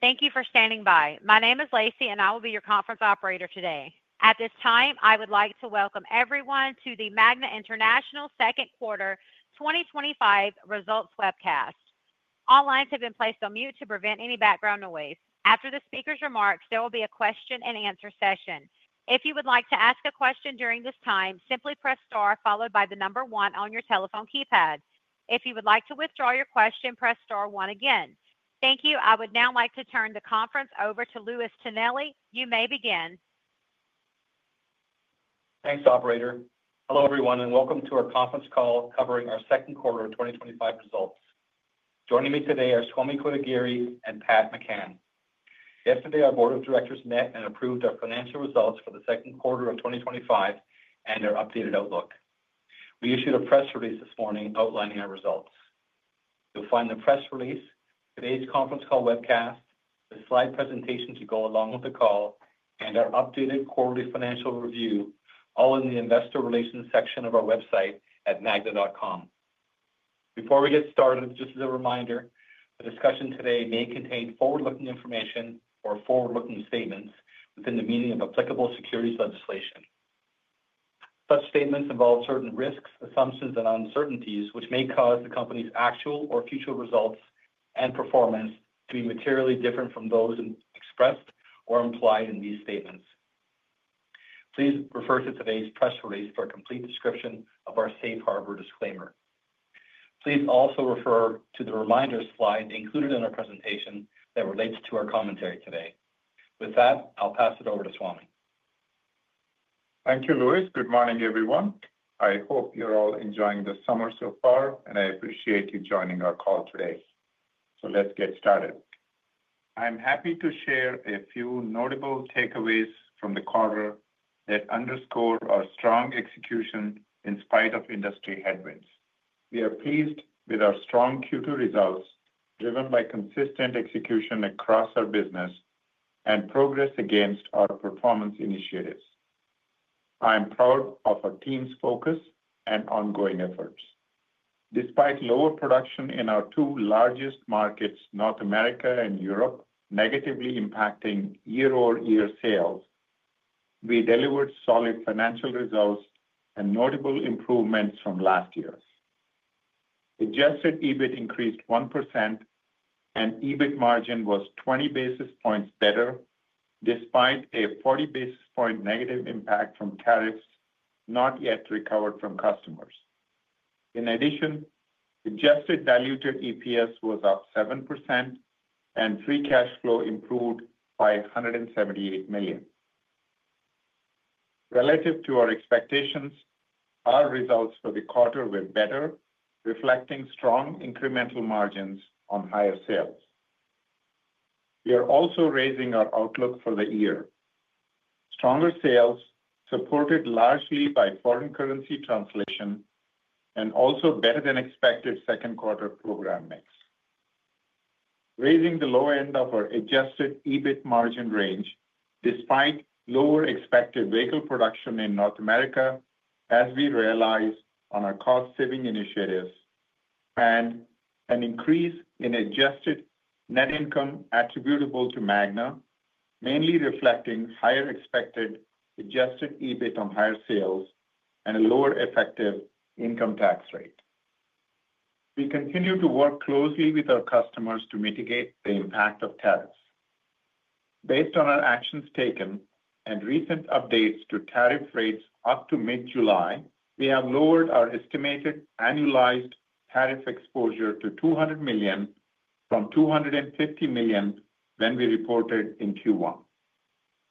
Thank you for standing by. My name is Lacey and I will be your conference operator today. At this time I would like to welcome everyone to the Magna International second quarter 2025 results webcast. All lines have been placed on mute to prevent any background noise. After the speaker's remarks, there will be a question and answer session. If you would like to ask a question during this time, simply press Star followed by the number one on your telephone keypad. If you would like to withdraw your question, press Star one again. Thank you. I would now like to turn the conference over to Louis Tonelli. You may begin. Thanks, Operator. Hello everyone, and welcome to our conference call covering our second quarter 2025 results. Joining me today are Swamy Kotagiri and Pat McCann. Yesterday, our Board of Directors met and approved our financial results for the second quarter of 2025 and our updated outlook. We issued a press release this morning outlining our results. You'll find the press release, today's conference call webcast, and the slide presentation to go along with the call and our update in Quarterly financial review, all in the Investor Relations section of our website at magna.com before we get started. Just as a reminder, the discussion today may contain forward looking information or forward looking statements within the meaning of applicable securities legislation. Such statements involve certain risks, assumptions, and uncertainties which may cause the company's actual or future results and performance to be materially different from those expressed or implied in these statements. Please refer to today's press release for a complete description of our Safe Harbor disclaimer. Please also refer to the reminder slide included in our presentation that relates to our commentary today. With that, I'll pass it over to Swamy. Thank you, Louis. Good morning, everyone. I hope you're all enjoying the summer so far, and I appreciate you joining our call today. Let's get started. I'm happy to share a few notable takeaways from the quarter that underscore our strong execution in spite of industry headwinds. We are pleased with our strong Q2 results, driven by consistent execution across our business and progress against our performance initiatives. I am proud of our team's focus and ongoing efforts. Despite lower production in our two largest markets, North America and Europe, negatively impacting year-over-year sales, we delivered solid financial results and notable improvements from last year. Adjusted EBIT increased 1%, and EBIT margin was 20 basis points better despite a 40 basis point negative impact from tariffs not yet recovered from customers. In addition, Adjusted Diluted EPS was up 7%, and Free Cash Flow improved by $178 million relative to our expectations. Our results for the quarter were better, reflecting strong incremental margins on higher sales. We are also raising our outlook for the year, with stronger sales supported largely by foreign currency translation and also better than expected second quarter program mix, raising the low end of our adjusted EBIT margin range despite lower expected vehicle production in North America. As we realize on our cost saving initiatives and an increase in adjusted net income attributable to Magna, mainly reflecting higher expected adjusted EBIT on higher sales and a lower effective income tax rate, we continue to work closely with our customers to mitigate the impact of tariffs. Based on our actions taken and recent updates to tariff rates up to mid-July, we have lowered our estimated annualized tariff exposure to $200 million from $250 million when we reported in Q1.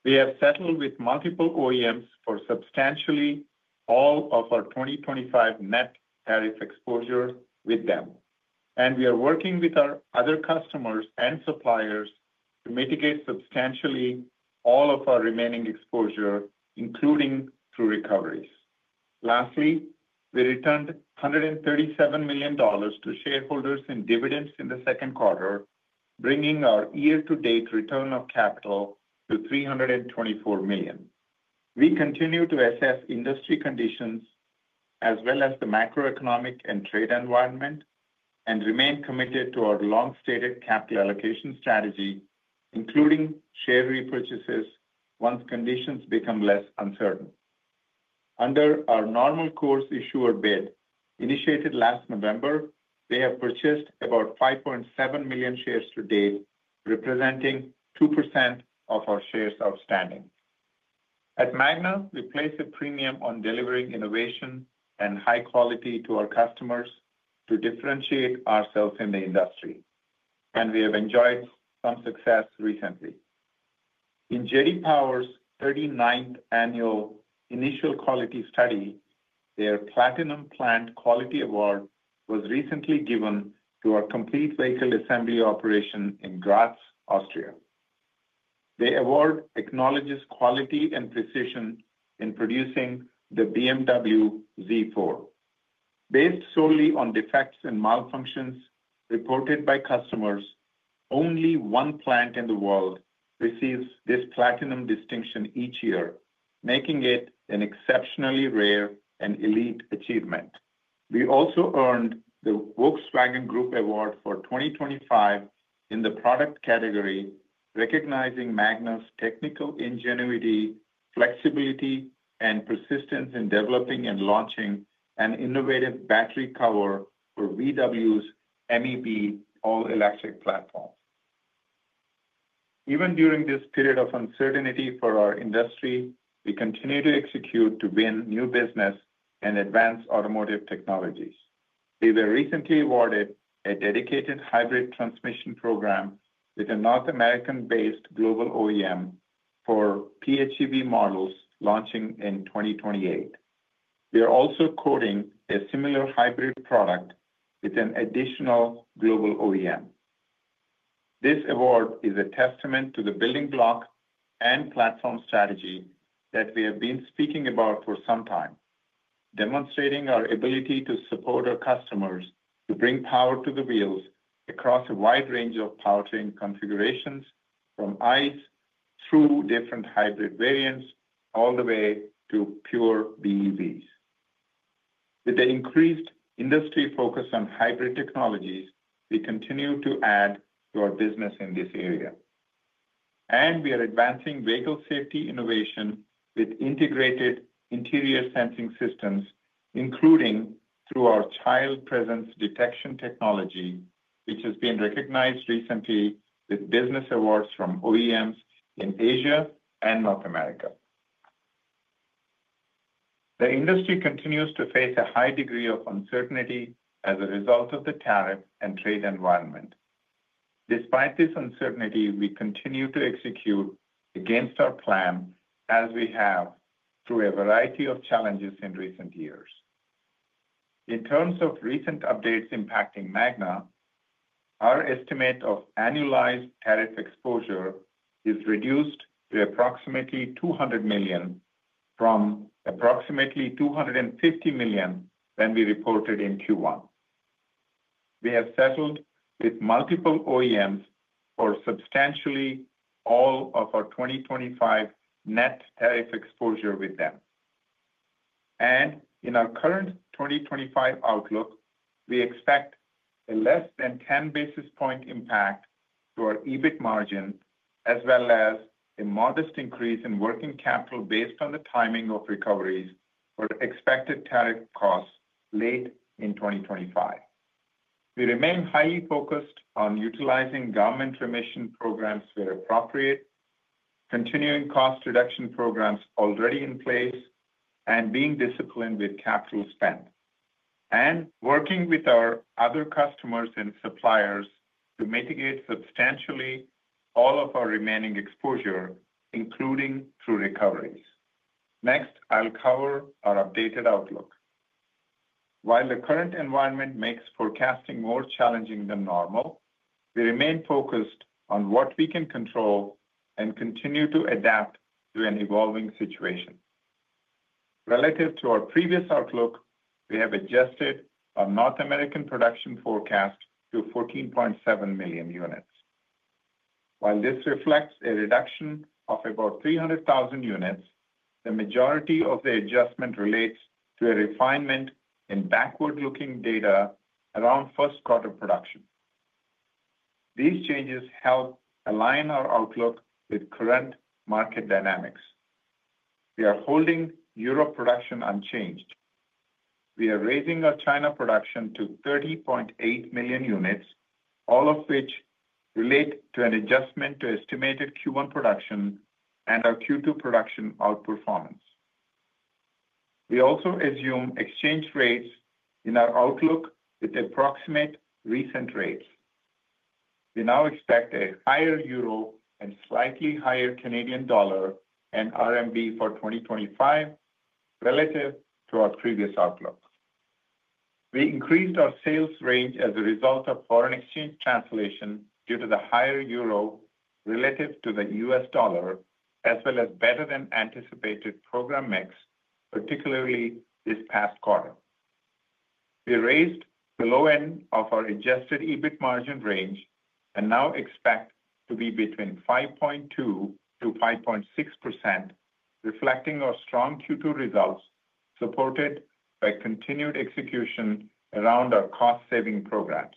We have settled with multiple OEMs for substantially all of our 2025 net tariff exposure with them, and we are working with our other customers and suppliers to mitigate substantially all of our remaining exposure, including through recoveries. Lastly, we returned $137 million to shareholders in dividends in the second quarter, bringing our year-to-date return of capital to $324 million. We continue to assess industry conditions as well as the macroeconomic and trade environment and remain committed to our long-stated capital allocation strategy, including share repurchases once conditions become less uncertain. Under our normal course issuer bid initiated last November, they have purchased about 5.7 million shares to date, representing 2% of our shares outstanding. At Magna, we place a premium on delivering innovation and high quality to our customers to differentiate ourselves in the industry, and we have enjoyed some success recently in J.D. Power's 39th annual Initial Quality Study. Their Platinum Plant Quality Award was recently given to our complete vehicle assembly operation in Graz, Austria. The award acknowledges quality and precision in producing the BMW Z4 based solely on defects and malfunctions reported by customers. Only one plant in the world receives this Platinum distinction each year, making it an exceptionally rare and elite achievement. We also earned the Volkswagen Group award for 2025 in the product category, recognizing Magna's technical ingenuity, flexibility, and persistence in developing and launching an innovative battery cover for VW's MEB all-electric platform. Even during this period of uncertainty for our industry, we continue to execute to win new business and advance automotive technologies. We were recently awarded a dedicated hybrid transmission program with a North American-based global OEM for PHEV models launching in 2028. We are also quoting a similar hybrid product with an additional global OEM. This award is a testament to the building block and platform strategy that we have been speaking about for some time, demonstrating our ability to support our customers to bring power to the wheels across a wide range of powertrain configurations from ICE through different hybrid variants all the way to pure BEVs. With the increased industry focus on hybrid technologies, we continue to add new business in this area, and we are advancing vehicle safety innovation with integrated interior sensing systems, including through our Child Presence Detection technology, which has been recognized recently with business awards from OEMs in Asia and North America. The industry continues to face a high degree of uncertainty as a result of the tariff and trade environment. Despite this uncertainty, we continue to execute against our plan as we have through a variety of challenges in recent years. In terms of recent updates impacting Magna, our estimate of annualized tariff exposure is reduced to approximately $200 million from approximately $250 million that we reported in Q1. We have settled with multiple OEMs for substantially all of our 2025 net tariff exposure with them, and in our current 2025 outlook, we expect a less than 10 basis point impact to our EBIT margin as well as a modest increase in working capital based on the timing of recoveries or expected tariff costs late in 2025. We remain highly focused on utilizing government remission programs where appropriate, continuing cost reduction programs already in place, and being disciplined with capital spend and working with our other customers and suppliers to mitigate substantially all of our remaining exposure, including through recoveries. Next, I'll cover our updated outlook. While the current environment makes forecasting more challenging than normal, we remain focused on what we can control and continue to adapt to an evolving situation. Relative to our previous outlook, we have adjusted our North American production forecast to 14.7 million units. While this reflects a reduction of about 300,000 units, the majority of the adjustment relates to a refinement in backward-looking data around first quarter production. These changes help align our outlook with current market dynamics. We are holding Europe production unchanged. We are raising our China production to 30.8 million units, all of which relate to an adjustment to estimated Q1 production and our Q2 production outperformance. We also assume exchange rates in our outlook. With approximate recent rates, we now expect a higher Euro and slightly higher Canadian dollar and RMB for 2025 relative to our previous outlook. We increased our sales range as a result of foreign exchange translation due to the higher Euro relative to the U.S. dollar as well as better than anticipated program mix. Particularly this past quarter, we raised the low end of our adjusted EBIT margin range and now expect to be between 5.2% to 5.6%, reflecting our strong Q2 results supported by continued execution around our cost saving programs.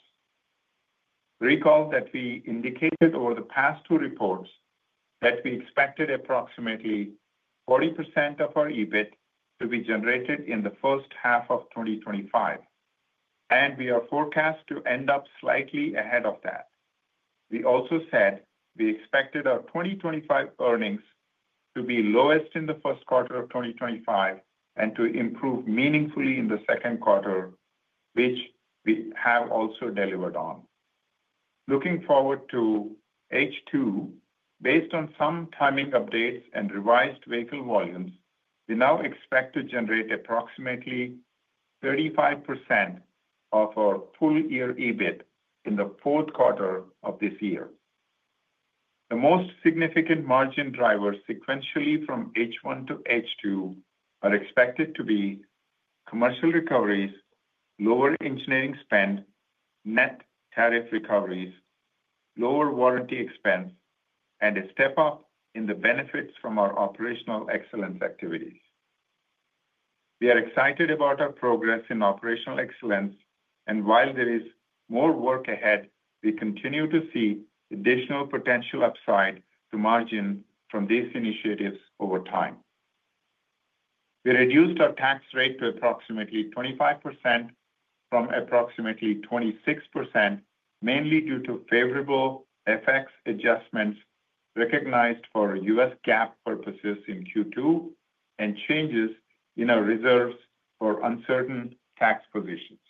Recall that we indicated over the past two reports that we expected approximately 40% of our EBIT to be generated in the first half of 2025, and we are forecast to end up slightly ahead of that. We also said we expected our 2025 earnings to be lowest in the first quarter of 2025 and to improve meaningfully in the second quarter, which we have also delivered on. Looking forward to H2, based on some timing updates and revised vehicle volumes, we now expect to generate approximately 35% of our full year EBIT in the fourth quarter of this year. The most significant margin drivers sequentially from H1 to H2 are expected to be commercial recoveries, lower engineering spend, net tariff recoveries, lower warranty expense, and a step up in the benefits from our operational excellence activities. We are excited about our progress in operational excellence, and while there is more work ahead, we continue to see additional potential upside to margin from these initiatives over time. We reduced our tax rate to approximately 25% from approximately 26%, mainly due to favorable FX adjustments recognized for U.S. GAAP purposes in Q2 and changes in our reserves for uncertain tax positions.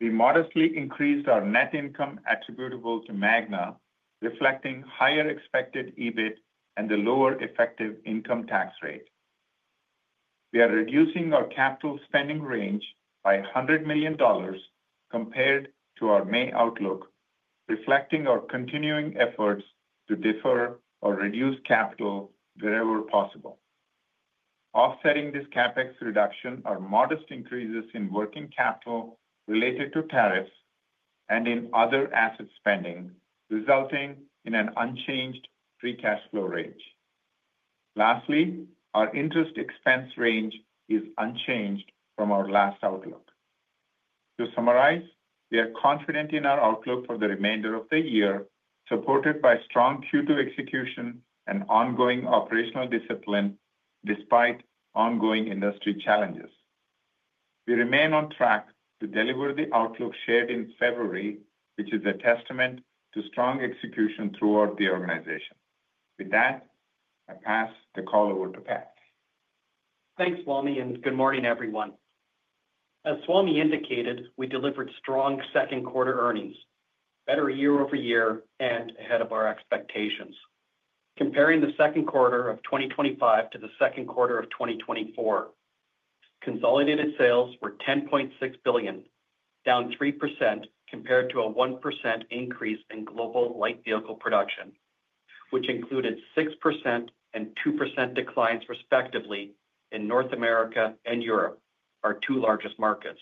We modestly increased our net income attributable to Magna, reflecting higher expected EBIT and the lower effective income tax rate. We are reducing our capital spending range by $100 million compared to our May outlook, reflecting our continuing efforts to defer or reduce capital wherever possible. Offsetting this CapEx reduction are modest increases in working capital related to tariffs and in other asset spending, resulting in an unchanged Free Cash Flow range. Lastly, our interest expense range is unchanged from our last outlook. To summarize, we are confident in our outlook for the remainder of the year, supported by strong Q2 execution and ongoing operational discipline. Despite ongoing industry challenges, we remain on track to deliver the outlook shared in February, which is a testament to strong execution throughout the organization. With that, I pass the call over to Pat. Thanks Swamy, and good morning everyone. As Swamy indicated, we delivered strong second quarter earnings better year over year and ahead of our expectations. Comparing the second quarter of 2025 to the second quarter of 2024, consolidated sales were $10.6 billion, down 3% compared to a 1% increase in global light vehicle production, which included 6% and 2% declines respectively in North America and Europe, our two largest markets.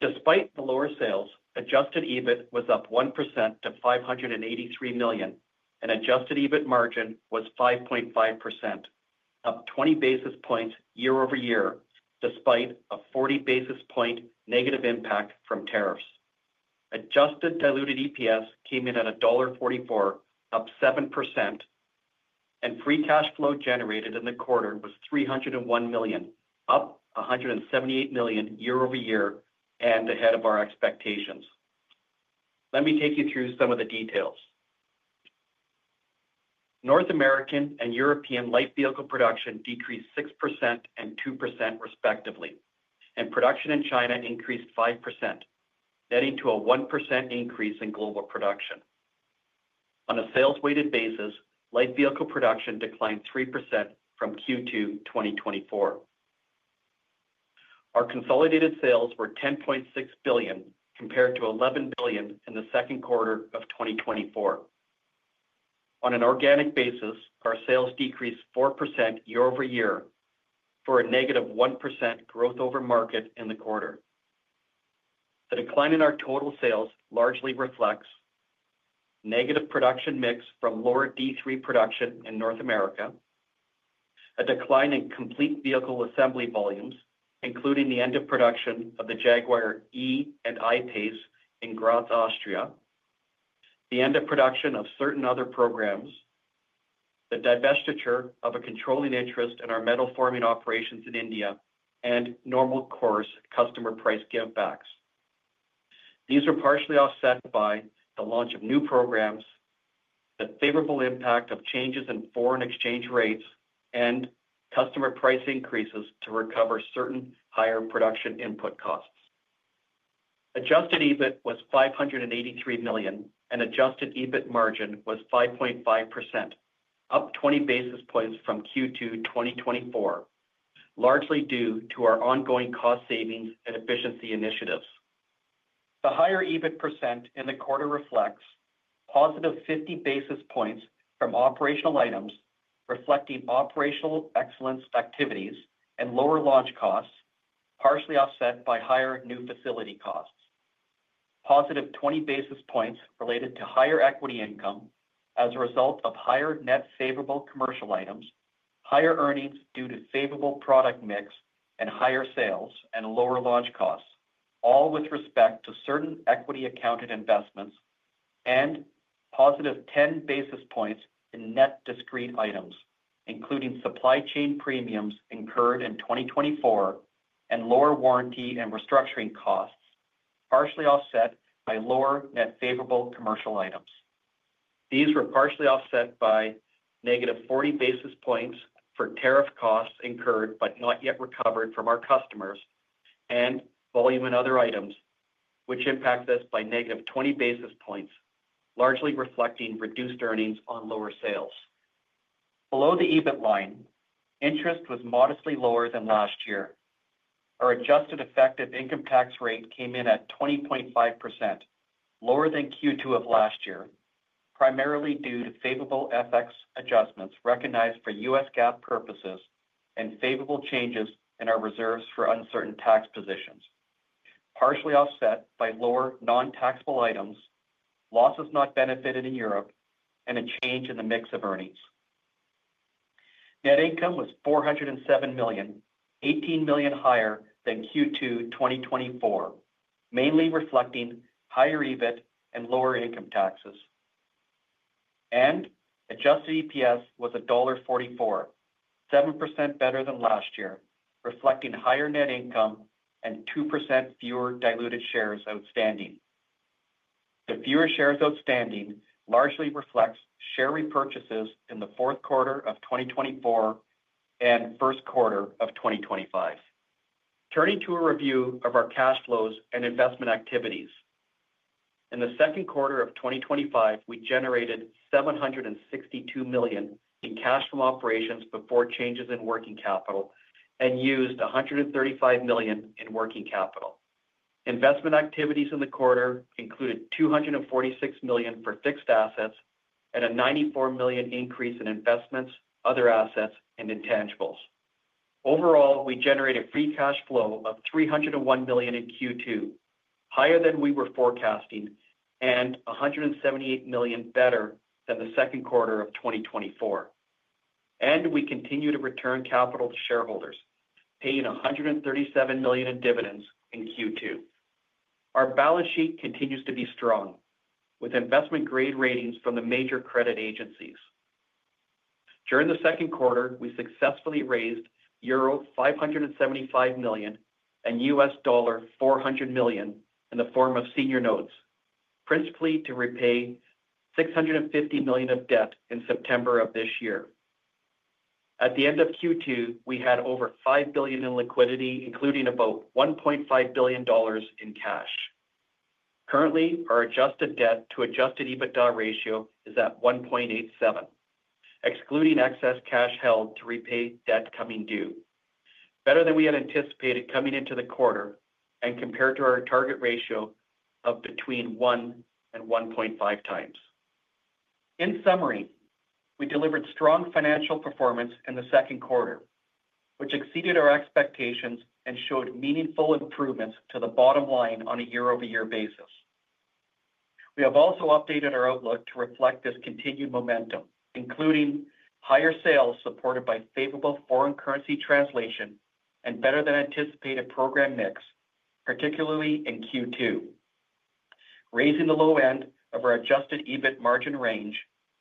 Despite the lower sales, adjusted EBIT was up 1% to $583 million and adjusted EBIT margin was 5.5%, up 20 basis points year over year. Despite a 40 basis point negative impact from tariffs, Adjusted Diluted EPS came in at $1.44, up 7%, and Free Cash Flow generated in the quarter was $301 million, up $178 million year over year and ahead of our expectations. Let me take you through some of the details. North American and European light vehicle production decreased 6% and 2% respectively, and production in China increased 5%, netting to a 1% increase in global production. On a sales weighted basis, light vehicle production declined 3% from Q2 2024. Our consolidated sales were $10.6 billion compared to $11 billion in the second quarter of 2024. On an organic basis, our sales decreased 4% year over year for a -1% growth over market in the quarter. The decline in our total sales largely reflects negative production mix from lower D3 production in North America, a decline in complete vehicle assembly volumes including the end of production of the Jaguar E and I Pace in Graz, Austria, the end of production of certain other programs, the divestiture of a controlling interest in our metal forming operations in India, and normal course customer price give backs. These are partially offset by the launch of new programs, the favorable impact of changes in foreign exchange rates, and customer price increases to recover certain higher production input costs. Adjusted EBIT was $583 million and adjusted EBIT margin was 5.5%, up 20 basis points from Q2 2024, largely due to our ongoing cost savings and efficiency initiatives. The higher EBIT % in the quarter reflects positive 50 basis points from operational items reflecting operational excellence initiatives and lower launch costs, partially offset by higher new facility costs, positive 20 basis points related to higher equity income as a result of higher net favorable commercial items, higher earnings due to favorable product mix and higher sales and lower launch costs, all with respect to certain equity accounted investments, and positive 10 basis points in net discrete items including supply chain premiums incurred in 2024 and lower warranty and restructuring costs, partially offset by lower net favorable commercial items. These were partially offset by -40 basis points for tariff costs incurred but not yet recovered from our customers, and volume and other items which impacts us by -20 basis points, largely reflecting reduced earnings on lower sales. Below the EBIT line interest was modestly lower than last year. Our adjusted effective income tax rate came in at 20.5%, lower than Q2 of last year, primarily due to favorable FX adjustments recognized for U.S. GAAP purposes and favorable changes in our reserves for uncertain tax positions, partially offset by lower non-taxable items, losses not benefited in Europe, and a change in the mix of earnings. Net income was $407 million, $18 million higher than Q2 2024, mainly reflecting higher EBIT and lower income taxes, and adjusted EPS was $1.44, 7% better than last year, reflecting higher net income and 2% fewer diluted shares outstanding. The fewer shares outstanding largely reflects share repurchases in the fourth quarter of 2024 and first quarter of 2025. Turning to a review of our cash flows and investment activities, in the second quarter of 2025 we generated $762 million in cash from operations before changes in working capital and used $135 million in working capital. Investment activities in the quarter included $246 million for fixed assets and a $94 million increase in investments, other assets, and intangibles. Overall, we generated Free Cash Flow of $301 million in Q2, higher than we were forecasting and $178 million better than the second quarter of 2024, and we continue to return capital to shareholders, paying $137 million in dividends in Q2. Our balance sheet continues to be strong with investment-grade ratings from the major credit agencies. During the second quarter we successfully raised euro 575 million and $400 million in the form of senior notes, principally to repay $650 million of debt in September of this year. At the end of Q2 we had over $5 billion in liquidity, including about $1.5 billion in cash. Currently our adjusted debt to adjusted EBITDA ratio is at 1.87, excluding excess cash held to repay debt coming due, better than we had anticipated coming into the quarter and compared to our target ratio of between 1 and 1.5 times. In summary, we delivered strong financial performance in the second quarter which exceeded our expectations and showed meaningful improvements to the bottom line on a year-over-year basis. We have also updated our outlook to reflect this continued momentum, including higher sales supported by favorable foreign currency translation and better than anticipated program mix, particularly in Q2, raising the low end of our adjusted EBIT margin range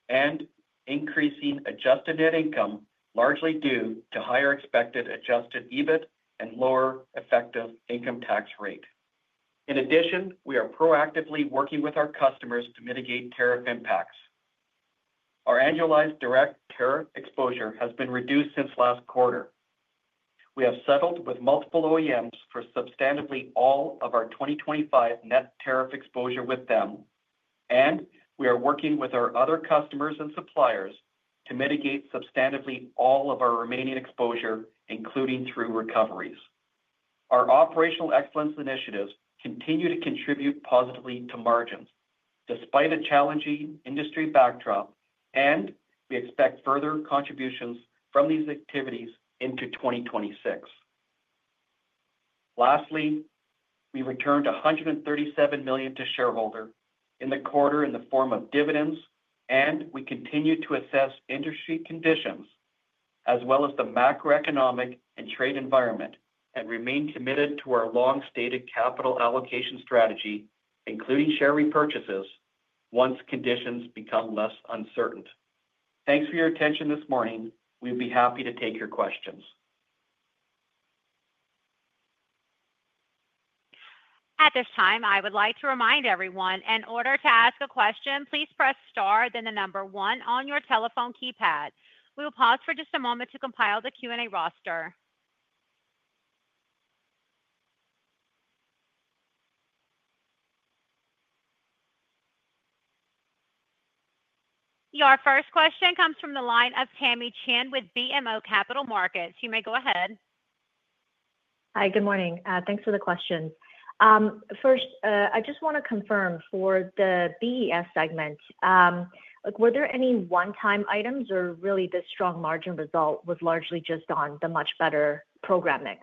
and increasing adjusted net income largely due to higher expected adjusted EBIT and lower effective income tax rate. In addition, we are proactively working with our customers to mitigate tariff impacts. Our annualized direct tariff exposure has been reduced since last quarter. We have settled with multiple OEMs for substantively all of our 2025 net tariff exposure with them and we are working with our other customers and suppliers to mitigate substantively all of our remaining exposure, including through recoveries. Our operational excellence initiatives continue to contribute positively to margins despite a challenging industry backdrop and we expect further contributions from these activities into 2026. Lastly, we returned $137 million to shareholders in the quarter in the form of dividends and we continue to assess industry conditions as well as the macroeconomic and trade environment and remain committed to our long-stated capital allocation strategy, including share repurchases once conditions become less uncertain. Thanks for your attention this morning. We'd be happy to take your questions. At this time, I would like to remind everyone, in order to ask a question, please press star, then the number one on your telephone keypad. We will pause for just a moment to compile the Q&A roster. Your first question comes from the line of Tamy Chen with BMO Capital Markets. You may go ahead. Hi, good morning. Thanks for the question. First, I just want to confirm for the BES segment, were there any one-time items or really the strong margin result was largely just on the much better program mix.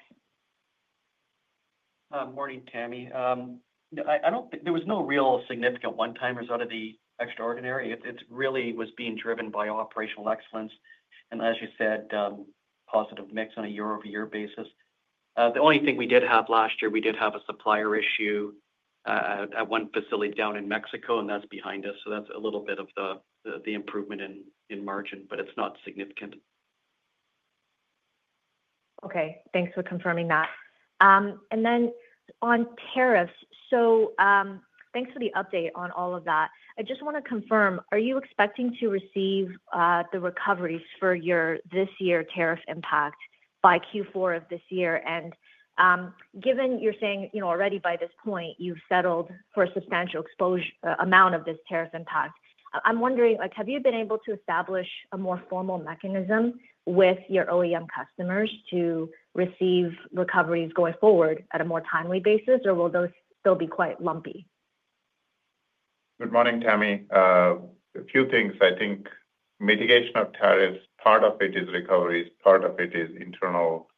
Morning Tamy. I don't think there was no real significant one timers out of the extraordinary. It really was being driven by operational excellence and as you said, positive mix on a year over year basis. The only thing we did have last year, we did have a supplier issue at one facility down in Mexico and that's behind us. That's a little bit of the improvement in margin, but it's not significant. Okay, thanks for confirming that. On tariffs, thanks for the update on all of that. I just want to confirm, are you expecting to receive the recoveries for your this year tariff impact by Q4 of this year? Given you're saying you know already by this point you've settled for a substantial exposure amount of this tariff impact, I'm wondering, have you been able to establish a more formal mechanism with your OEM customers to receive recoveries going forward at a more timely basis or will those still be quite lumpy? Good morning, Tamy. A few things, I think, mitigation of tariffs. Part of it is recoveries, part of it is internal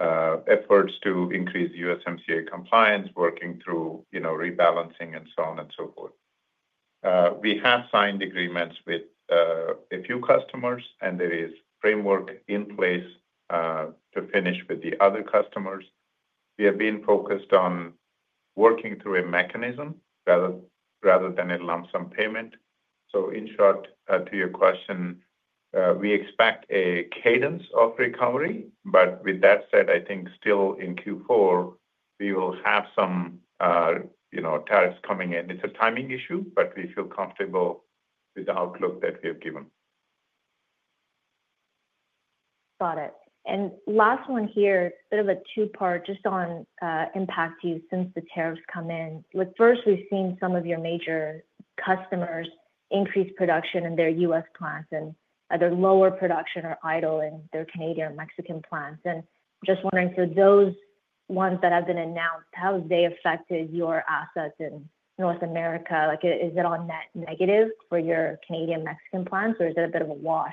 efforts to increase USMCA compliance, working through rebalancing and so on and so forth. We have signed agreements with a few customers, and there is framework in place to finish with the other customers. We have been focused on working through a mechanism rather than a lump sum payment. In short, to your question, we expect a cadence of recovery. With that said, I think still in Q4 we will have some tariffs coming in. It's a timing issue, but we feel comfortable with the outlook that we have given. Got it. Last one here, bit of a two part just on impact you since the tariffs come in. First, we've seen some of your major customers increase production in their U.S. plants and either lower production or idle in their Canadian or Mexican plants. Just wondering, so those ones that have been announced, how they affected your assets in North America, is it on net negative for your Canadian Mexican plants. Is it a bit of a what.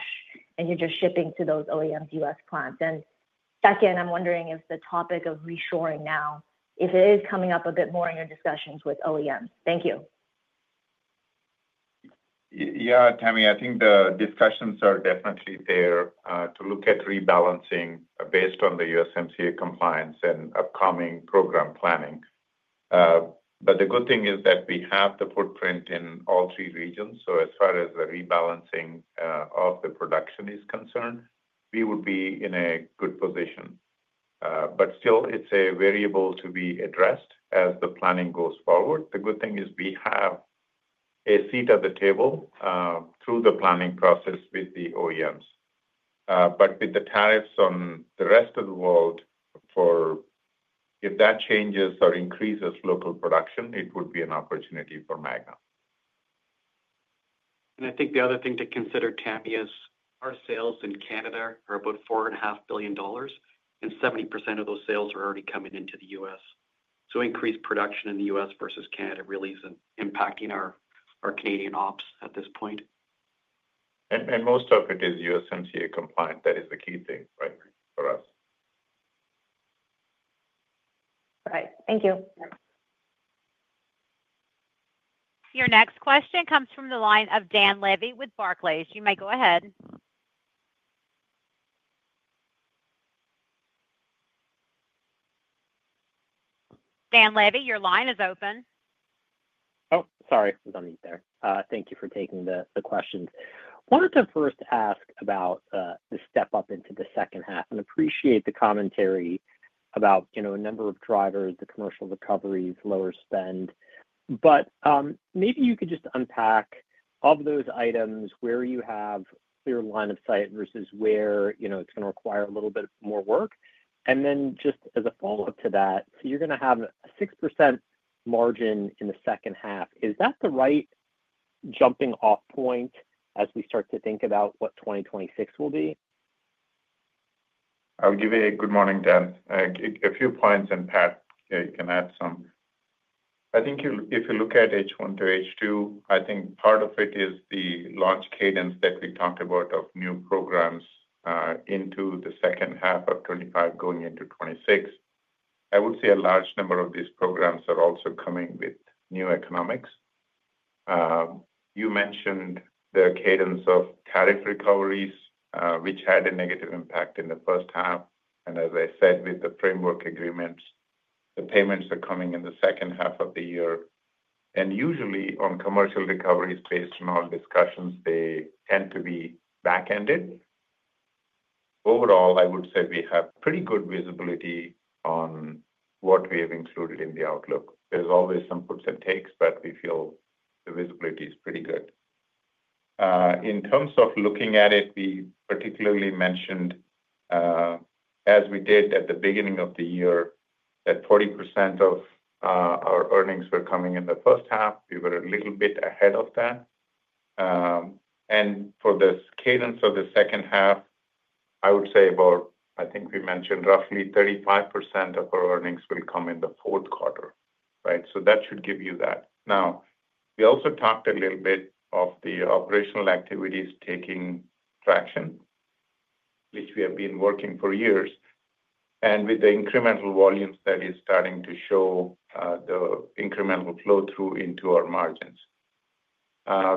Are you just shipping to those OEMs' U.S. plants? I'm wondering if the topic of reshoring is coming up a bit more in your discussions with OEMs. Thank you. Yeah, Tamy, I think the discussions are definitely there to look at rebalancing based on the USMCA compliance and upcoming program planning. The good thing is that we have the footprint in all three regions. As far as the rebalancing of the production is concerned, we will be in a good position. Still, it's a variable to be addressed as the planning goes forward. The good thing is we have a seat at the table through the planning process with the OEMs. With the tariffs on the rest of the world, if that changes or increases local production, it would be an opportunity for Magna. I think the other thing to consider, Tamy, is our sales in Canada are about $4.5 billion and 70% of those sales are already coming into the U.S., so increased production in the U.S. versus Canada really is impacting our Canadian ops at this point. And most of it is USMCA compliant. That is the key thing for us. Right. Thank you. Your next question comes from the line of Dan Levy with Barclays. You may go ahead. Dan Levy, your line is open. Oh, sorry. Thank you for taking the questions. Wanted to first ask about the step up into the second half and appreciate the commentary about, you know, a number of drivers, the commercial recoveries, lower spend. Maybe you could just unpack of those items where you have clear line of sight versus where you know it's going to require a little bit more work. Just as a follow up to that, you're going to have a 6% margin in the second half. Is that the right jumping off point as we start to think about what 2026 will be? I'll give you a good morning Dan, a few points and Pat, you can add some. I think if you look at H1 to H2, part of it is the launch cadence that we talked about of new programs into 2H25, going into 2026. I would say a large number of these programs are also coming with new economics. You mentioned the cadence of tariff recoveries which had a negative impact in the first half. As I said with the framework agreements, the payments are coming in the second half of the year and usually on commercial recoveries. Based on all discussions, they tend to be back ended. Overall, I would say we have pretty good visibility on what we have included in the outlook. There's always some puts and takes, but we feel the visibility is pretty good in terms of looking at it we particularly mentioned, as we did at the beginning of the year, that 40% of our earnings were coming in the first half. We were a little bit ahead of that. For this cadence of the second half, I would say about, I think we mentioned roughly 35% of our earnings will come in the fourth quarter. Right. That should give you that. We also talked a little bit of the operational activities taking traction which we have been working for years and with the incremental volumes that is starting to show the incremental flow through into our margins.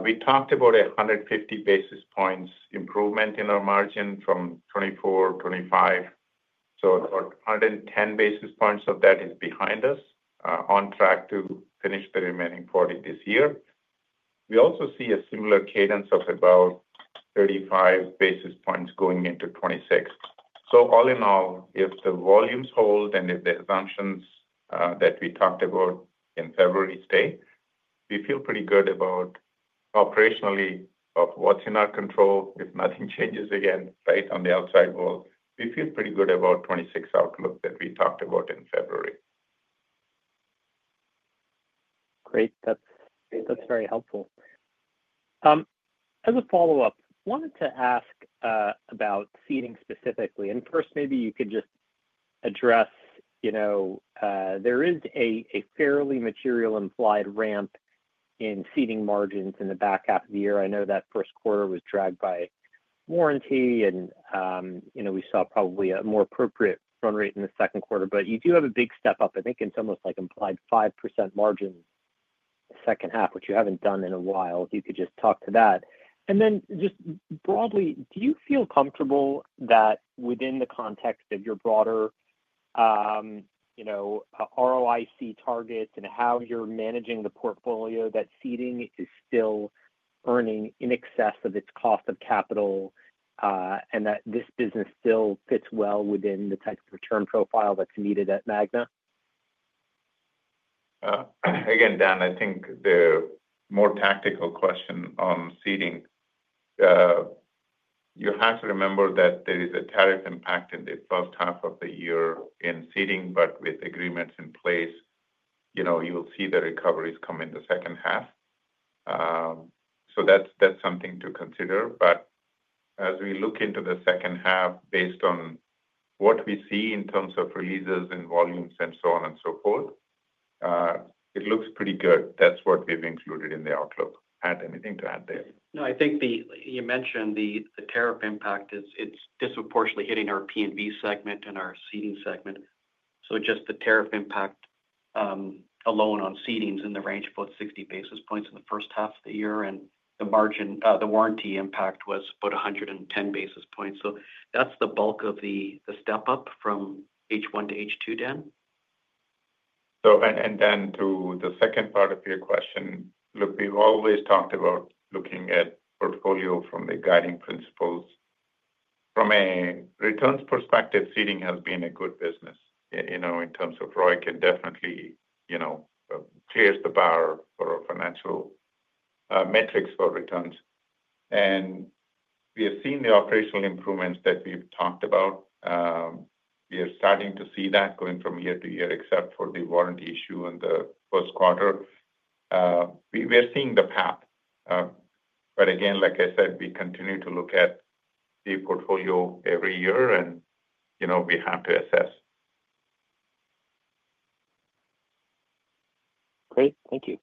We talked about 150 basis points improvement in our margin from 2024, 2025. So 110 basis points of that is behind us on track to finish the remaining 40 this year. We also see a similar cadence of about 35 basis points going into 2026. All in all, if the volumes hold and if the assumptions that we talked about in February stay, we feel pretty good about operationally of what's in our control if nothing changes, again, right on the outside world, we feel pretty good about 2026 outlook that we talked about in February. Great, that's very helpful. As a follow-up, wanted to ask about seating specifically, and first maybe you could just address, you know, there is a fairly material implied ramp in seating margins in the back half of the year. I know that first quarter was dragged by warranty, and we saw probably a more appropriate run rate in the second quarter. You do have a big step up. I think it's almost like implied 5% margin second half, which you haven't done in a while. Could you just talk to that? Then just broadly, do you feel comfortable that within the context of your broader, you know, ROIC targets and how you're managing the portfolio, that Seating is still earning in excess of its cost of capital and that this business still fits well within the type of return profile that's needed at Magna? Again, Dan, I think the more tactical question on seating, you have to remember that there is a tariff impact in the first half of the year in seating, but with agreements in place, you will see the recoveries come in the second half. That's something to consider. As we look into the second half, based on what we see in terms of releases and volumes and so on and so forth, it looks pretty good. That's what we've included in the outlook. Pat, anything to add there? No, I think the tariff impact is disproportionately hitting our PNV segment and our Seating segment. Just the tariff impact alone on Seating is in the range of about 60 basis points in the first half of the year. The margin, the warranty impact was about 110 basis points. That's the bulk of the step up from H1 to H2 Dan. To the second part of your question. Look, we've always talked about looking at portfolio from the guiding principles from a returns perspective. Seating has been a good business, you know, in terms of ROIC, can definitely, you know, clears the bar for financial metrics for returns. We have seen the operational improvements that we've talked about. We are starting to see that going from year to year. Except for the warranty issue in the first quarter, we are seeing the path, but again, like I said, we continue to look at the portfolio every year and, you know, we have to assess. Great, thank you.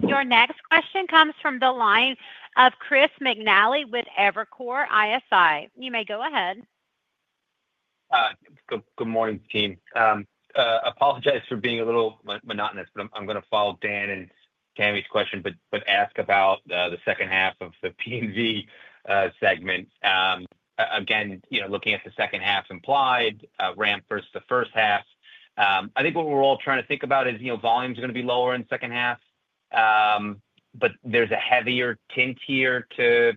Your next question comes from the line of Chris McNally with Evercore ISI. You may go ahead. Good morning, team. Apologize for being a little monotonous, but I'm going to follow Dan and Tamy's question and ask about the second half of the PNV segment. Again, you know, looking at the second half implied ramp versus the first half, I think what we're all trying to think about is, you know, volumes are going to be lower in the second half, but there's a heavier tint here to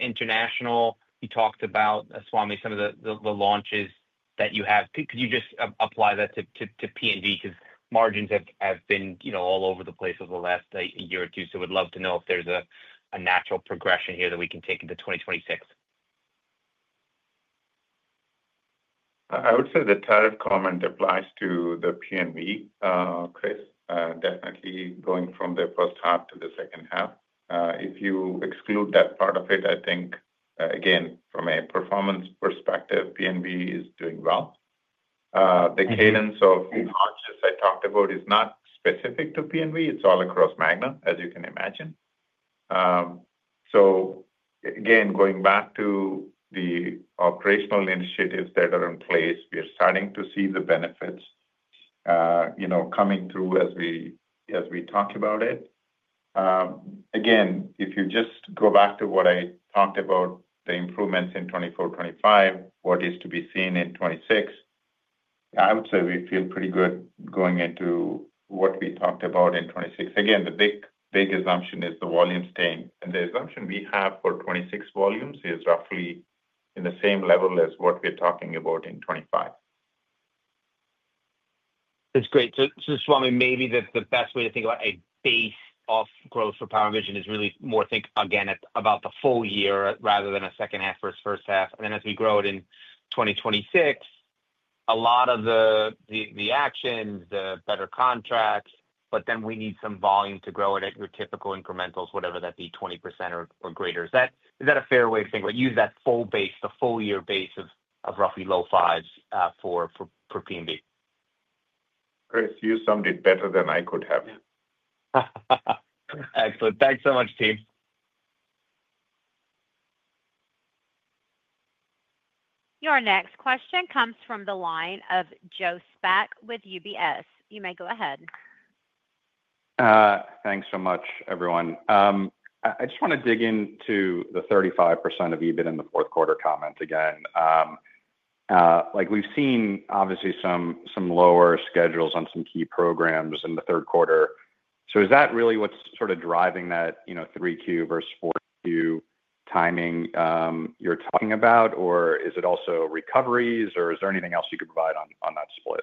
international. You talked about Swamy, some of the launches that you have. Could you just apply that to PNV? Because margins have been all over the place over the last year or two. We'd love to know if there's a natural progression here that we can take into 2026. I would say the tariff comment applies to the PNV, Chris. Definitely going from the first half to the second half, if you exclude that part of it. I think, again, from a performance perspective, PNV is doing well. The cadence of arches I talked about is not specific to PNV. It's all across Magna, as you can imagine. Again, going back to the operational initiatives that are in place, we are starting to see the benefits coming through as we talk about it. If you just go back to what I talked about, the improvements in 2024, 2025, what is to be seen in 2026? I would say we feel pretty good going into what we talked about in 2026. The big, big assumption is the volume staying. The assumption we have for 2026 volumes is roughly in the same level as what we're talking about in 2025. That's great. Swamy, maybe the best way to think about a base of growth for Power Vision is really more to think again about the full year rather than a second half versus first half. As we grow it in 2026, a lot of the actions, the better contracts, but then we need some volume to grow it at your typical incrementals, whatever that be 20% or greater, is that a fair way to think? What, use that full base, the full year base of, of roughly low $5 for PNV. Chris, you summed it better than I could have. Excellent. Thanks so much, team. Your next question comes from the line of Joe Spak with UBS. You may go ahead. Thanks so much, everyone. I just want to dig into the 35% of EBIT in the fourth quarter comment again. We've seen obviously some lower schedules. On some key programs in the third quarter. Is that really what's sort of driving that, you know, 3Q versus 4Q. Timing you're talking about, or is it also recoveries or is there anything else you could provide on that split?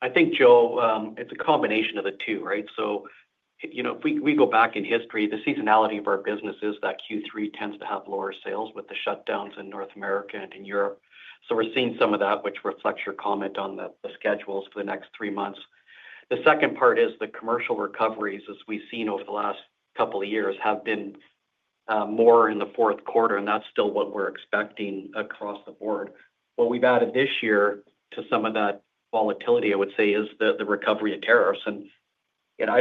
I think, Joe, it's a combination of the two. Right. If we go back in history, the seasonality of our business is that Q3 tends to have lower sales with the shutdowns in North America and in Europe. We're seeing some of that, which reflects your comment on the schedules for the next three months. The second part is the commercial recoveries, as we've seen over the last couple of years, have been more in the fourth quarter and that's still what we're expecting across the board. What we've added this year to some of that volatility, I would say, is the recovery of tariffs. I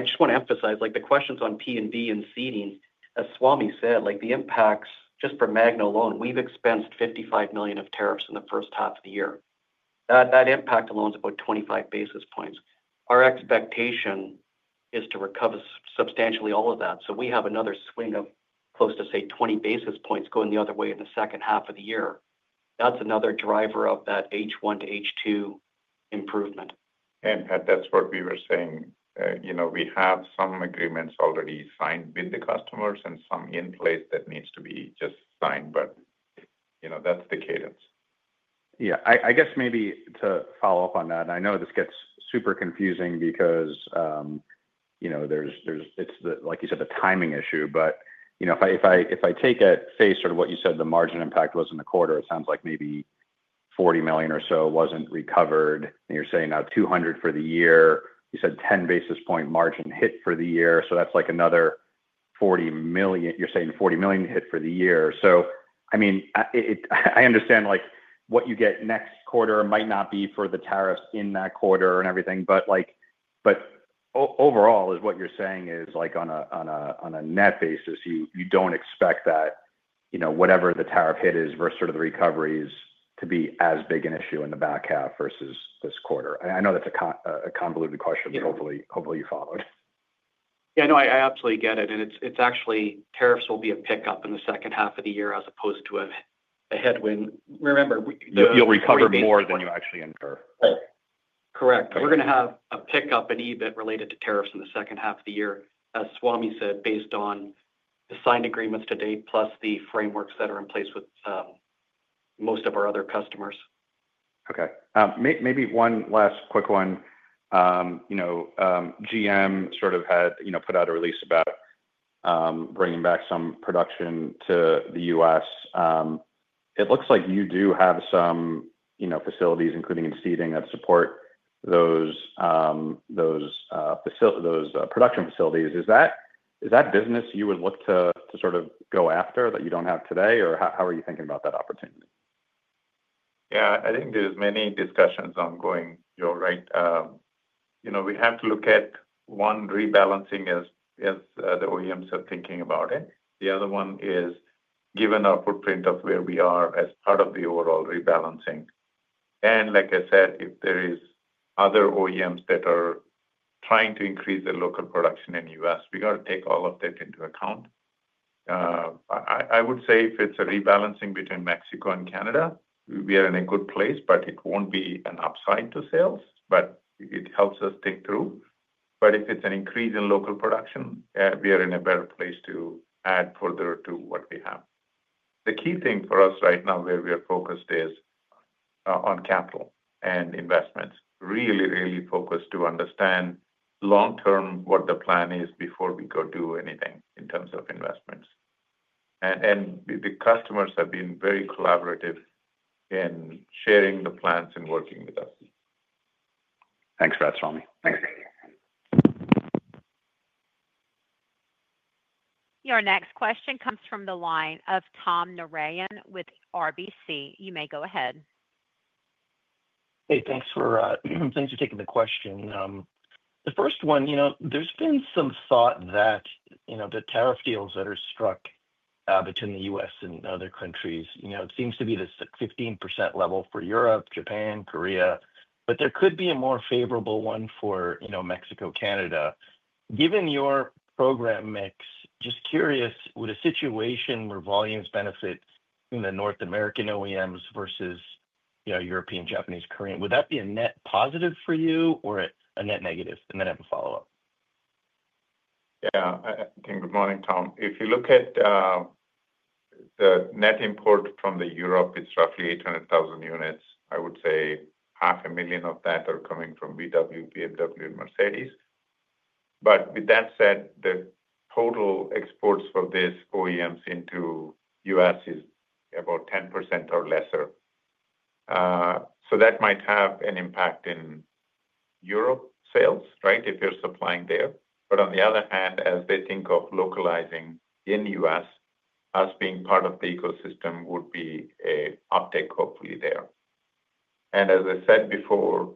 just want to emphasize, like the questions on PNV and seating, as Swamy said, the impacts, just for Magna alone, we've expensed $55 million of tariffs in the first half of the year. That impact alone is about 25 basis points. Our expectation is to recover substantially all of that. We have another swing of close to, say, 20 basis points going the other way in the second half of the year. That's another driver of that H1 to H2 improvement. Pat, that's what we were saying. We have some agreements already signed with the customers and some in place that need to be just signed. You know, that's the cadence. I guess maybe to follow up on that. I know this gets super confusing because, you know, it's like you said the timing issue, but if I take at face what you said margin impact was in the quarter, it sounds like maybe $40 million or so wasn't recovered. You're saying now $200 million for the year. You said 10 basis point margin hit for the year. That's like another $40 million. You're saying $40 million hit for the year. I understand what you get next quarter might not be for the tariffs in that quarter and everything, but overall, is what you're saying is, on a net basis, you don't expect that whatever the tariff hit is versus the recoveries to be as big an issue in the back half versus this quarter. I know that's a convoluted question. Hopefully you followed. Yeah, no, I absolutely get it. It's actually tariffs will be a pickup in the second half of the year as opposed to a headwind. Remember. You'll recover more than you actually incur. Correct. We're going to have a pickup in EBIT related to tariffs in the second half of the year. As Swamy said, based on the signed agreements to date, plus the frameworks that are in place with most of our other customers. Okay, maybe one last quick one. You know, GM sort of had you know, put out a release about bringing back some production to the U.S. Looks like you do have some facilities, including in seating, that support those facilities, those production facilities. Is that business you would look to sort of go after that you don't have today, or how are you thinking about that opportunity? Yeah, I think there's many discussions ongoing, Joe. Right. You know, we have to look at one rebalancing as the OEMs are thinking about it. The other one is given our footprint of where we are as part of the overall rebalancing, and like I said, if there is other OEMs that are trying to increase the local production in U.S., we got to take all of that into account. I would say if it's a rebalancing between Mexico and Canada, we are in a good place, but it won't be an upside to sales, but it helps us think through. If it's an increase in local production, we are in a better place to add further to what we have. The key thing for us right now where we are focused is on capital and investments, really, really focused to understand long term what the plan is before we go do anything in terms of investments. The customers have been very collaborative in sharing the plans and working with us. Thanks, Swamy. Your next question comes from the line of Tom Narayan with RBC. You may go ahead. Hey, thanks for taking the question. The first one, you know, there's been some thought that, you know, the tariff deals that are struck between the U.S. and other countries, you know, it seems to be this 15% level for Europe, Japan, Korea, but there could be a more favorable one for, you know, Mexico, Canada. Given your program mix, just curious, would a situation where volumes benefit in the North American OEMs versus, you know, European, Japanese, Korean, would that be a net positive for you or a net negative? I have a follow up. Yeah. Good morning, Tom. If you look at the net import from Europe, it's roughly 800,000 units. I would say half a million of that are coming from BMW and Mercedes. With that said, the total exports for these OEMs into the U.S. is about 10% or less. That might have an impact in Europe sales if they're supplying there. On the other hand, as they think of localizing in the U.S. as being part of the ecosystem, there would be an uptick, hopefully, there. As I said before,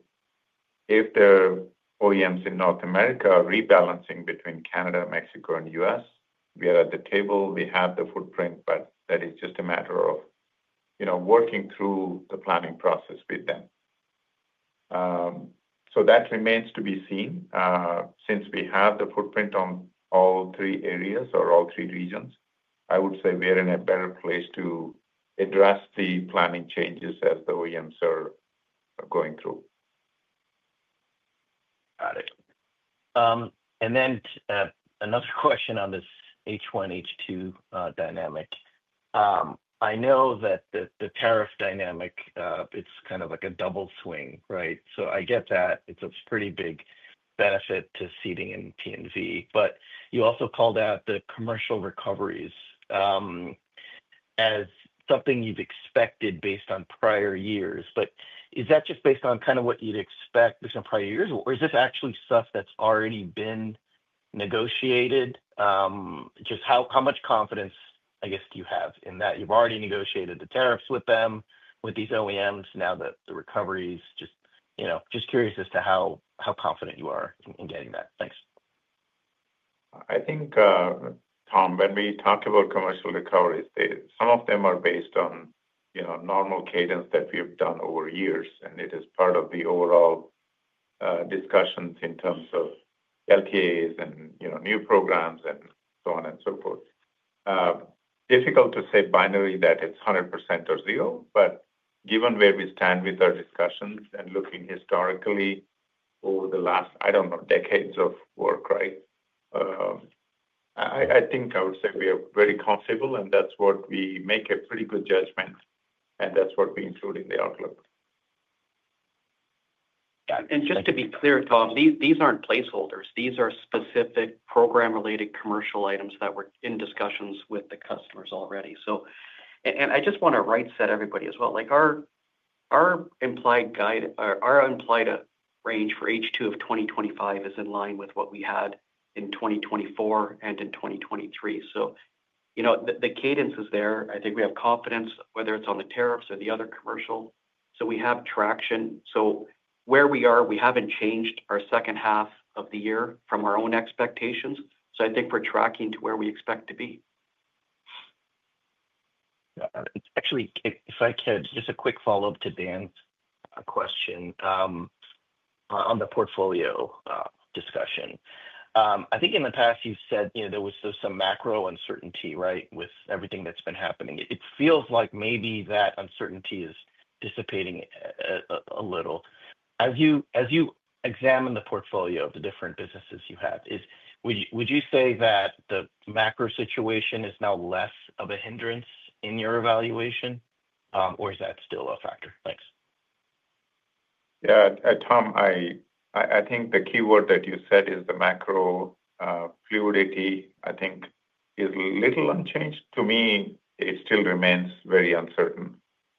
if the OEMs in North America are rebalancing between Canada, Mexico, and the U.S., we are at the table, we have the footprint, but that is just a matter of working through the planning process with them. That remains to be seen. Since we have the footprint in all three areas or all three regions, I would say we are in a better place to address the planning changes as the OEMs are going through. Got it. Another question on this H1H2 dynamic. I know that the tariff dynamic is kind of like a double swing, right? I get that it's a pretty big benefit to Seating in PNV, but you also called out the commercial recoveries as something you've expected based on prior years. Is that just based on what you'd expect based on prior years, or is this actually stuff that's already been negotiated? How much confidence do you have in that? You've already negotiated the tariffs with these OEMs. Now the recoveries, just curious as to how confident you are in getting that. Thanks. I think, Tom, when we talk about commercial recoveries, some of them are based on, you know, normal cadence that we've done over years. It is part of the overall discussions in terms of LTAs and, you know, new programs and so on and so forth. Difficult to say binary that it's 100% or 0, but given where we stand with our discussions and looking historically over the last, I don't know, decades of work, I think I would say we are very comfortable and that's what we make a pretty good judgment and that's what we include in the outlook. Just to be clear, Tom, these aren't placeholders. These are specific program related commercial items that were in discussions with the customers already. I just want to set everybody as well. Our implied guide, our implied range for H2 of 2025 is in line with what we had in 2024 and in 2023. The cadence is there. I think we have confidence whether it's on the tariffs or the other commercial, so we have traction. Where we are, we haven't changed our second half of the year from our own expectations. I think we're tracking to where we expect to be. Actually, if I could just, a quick follow up to Dan's question on the portfolio discussion. I think in the past you said there was some macro uncertainty. With everything that's been happening, it feels like maybe that uncertainty is dissipating a little as you examine the portfolio of the different businesses you have. Would you say that the macro situation is now less of a hindrance in your evaluation or is that still a factor? Thanks. Yeah, Tom, I think the key word that you said is the macro fluidity. I think it is a little unchanged. To me, it still remains very uncertain.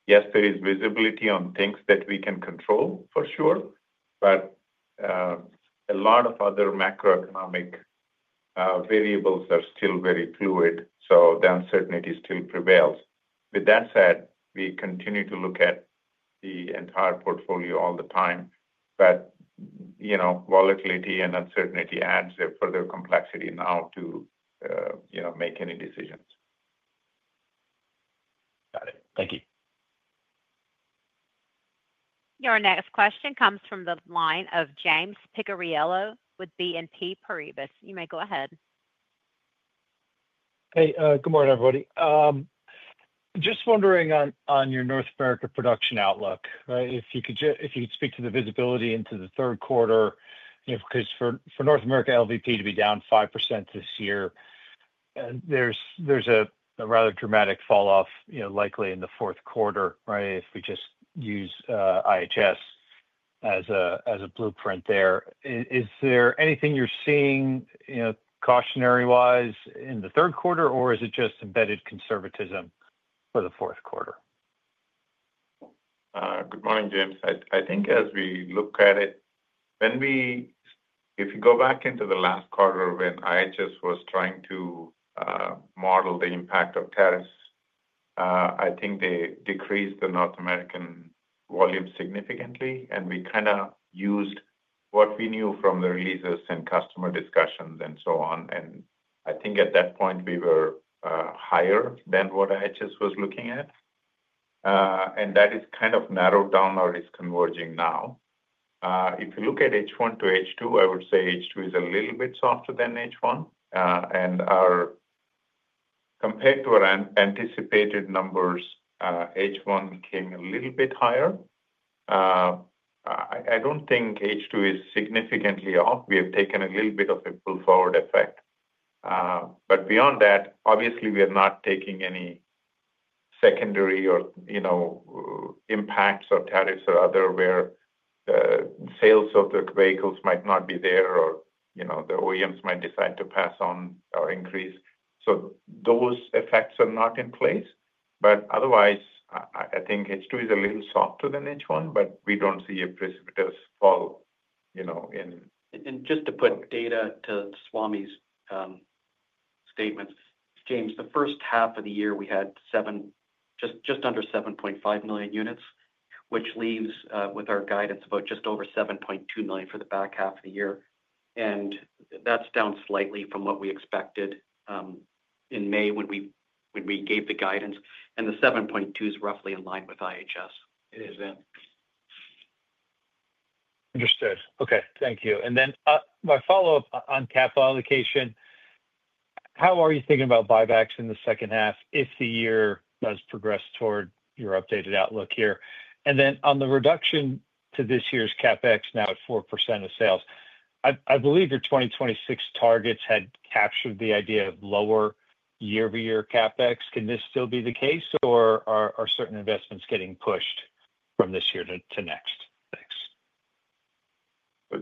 Yes, there is visibility on things that we can control for sure, but a lot of other macroeconomic variables are still very fluid, so the uncertainty still prevails. With that said, we continue to look at the entire portfolio all the time, but volatility and uncertainty add a further complexity now to make any decisions. Got it. Thank you. Your next question comes from the line of James Picariello with BNP Paribas. You may go ahead. Hey, good morning, everybody. Just wondering on your North America production outlook. Right. If you could speak to the visibility into the third quarter, if for North America LVP to be down 5% this year, there's a rather dramatic fall off likely in the fourth quarter if we just use IHS as a blueprint there. Is there anything you're seeing cautionary wise in the third quarter, or is it just embedded conservatism for the fourth quarter? Good morning, James. I think as we look at it, if you go back into the last quarter when IHS was trying to model the impact of tariffs, I think they decreased the North American volume significantly and we kind of used what we knew from the releases and customer discussions and so on. I think at that point we were higher than what IHS was looking at and that has kind of narrowed down or is converging now. If you look at H1 to H2, I would say H2 is a little bit softer than H1 and compared to our anticipated numbers, H1 became a little bit higher. I don't think H2 is significantly off. We have taken a little bit of a pull forward effect. Beyond that, obviously we are not taking any secondary impacts or tariffs or other where sales of the vehicles might not be there or the OEMs might decide to pass on or increase. Those effects are not in place. Otherwise, I think H2 is a little softer than H1 but we don't see a precipitous fall. To put data to Swamy's statements, James, the first half of the year we had just under 7.5 million units, which leaves with our guidance about just over 7.2 million for the back half of the year. That's down slightly from what we expected in May when we gave the guidance. The 7.2 is roughly in line with IHS. It is then. Understood. Okay, thank you. My follow up on capital allocation: How are you thinking about buybacks in the second half if the year does progress toward your updated outlook here? On the reduction to this year's CapEx, now at 4% of sales, I believe your 2026 targets had captured the idea of lower year over year CapEx. Can this still be the case or are certain investments getting pushed from this year to next? Thanks.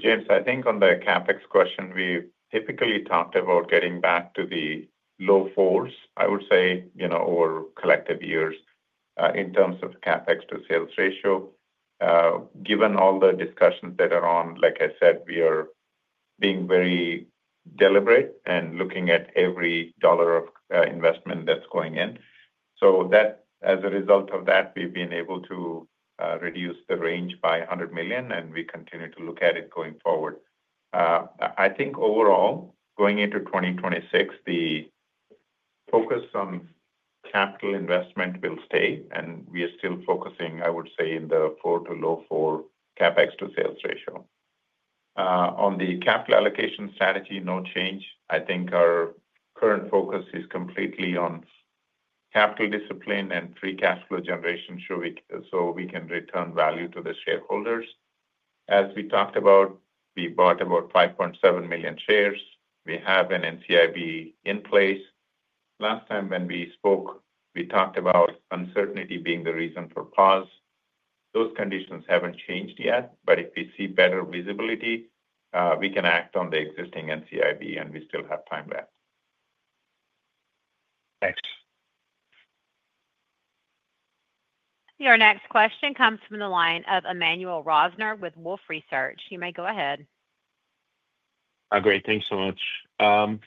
James, I think on the CapEx question we typically talked about getting back to the low fours. I would say, over collective years in terms of CapEx to sales ratio, given all the discussions that are on, like I said, we are being very deliberate and looking at every dollar of investment that's going in. As a result of that, we've been able to reduce the range by $100 million and we continue to look at it going forward. I think overall going into 2026 the focus on capital investment will stay and we are still focusing, I would say, in the 4 to low 4 CapEx to sales ratio on the capital allocation strategy. No change. I think our current focus is completely on capital discipline and Free Cash Flow generation so we can return value to the shareholders. As we talked about, we bought about 5.7 million shares. We have a normal course issuer bid in place. Last time when we spoke, we talked about uncertainty being the reason for pause. Those conditions haven't changed yet. If we see better visibility, we can act on the existing normal course issuer bid and we still have time left. Thanks. Your next question comes from the line of Emmanuel Rosner with Wolfe Research. You may go ahead. Great. Thanks so much.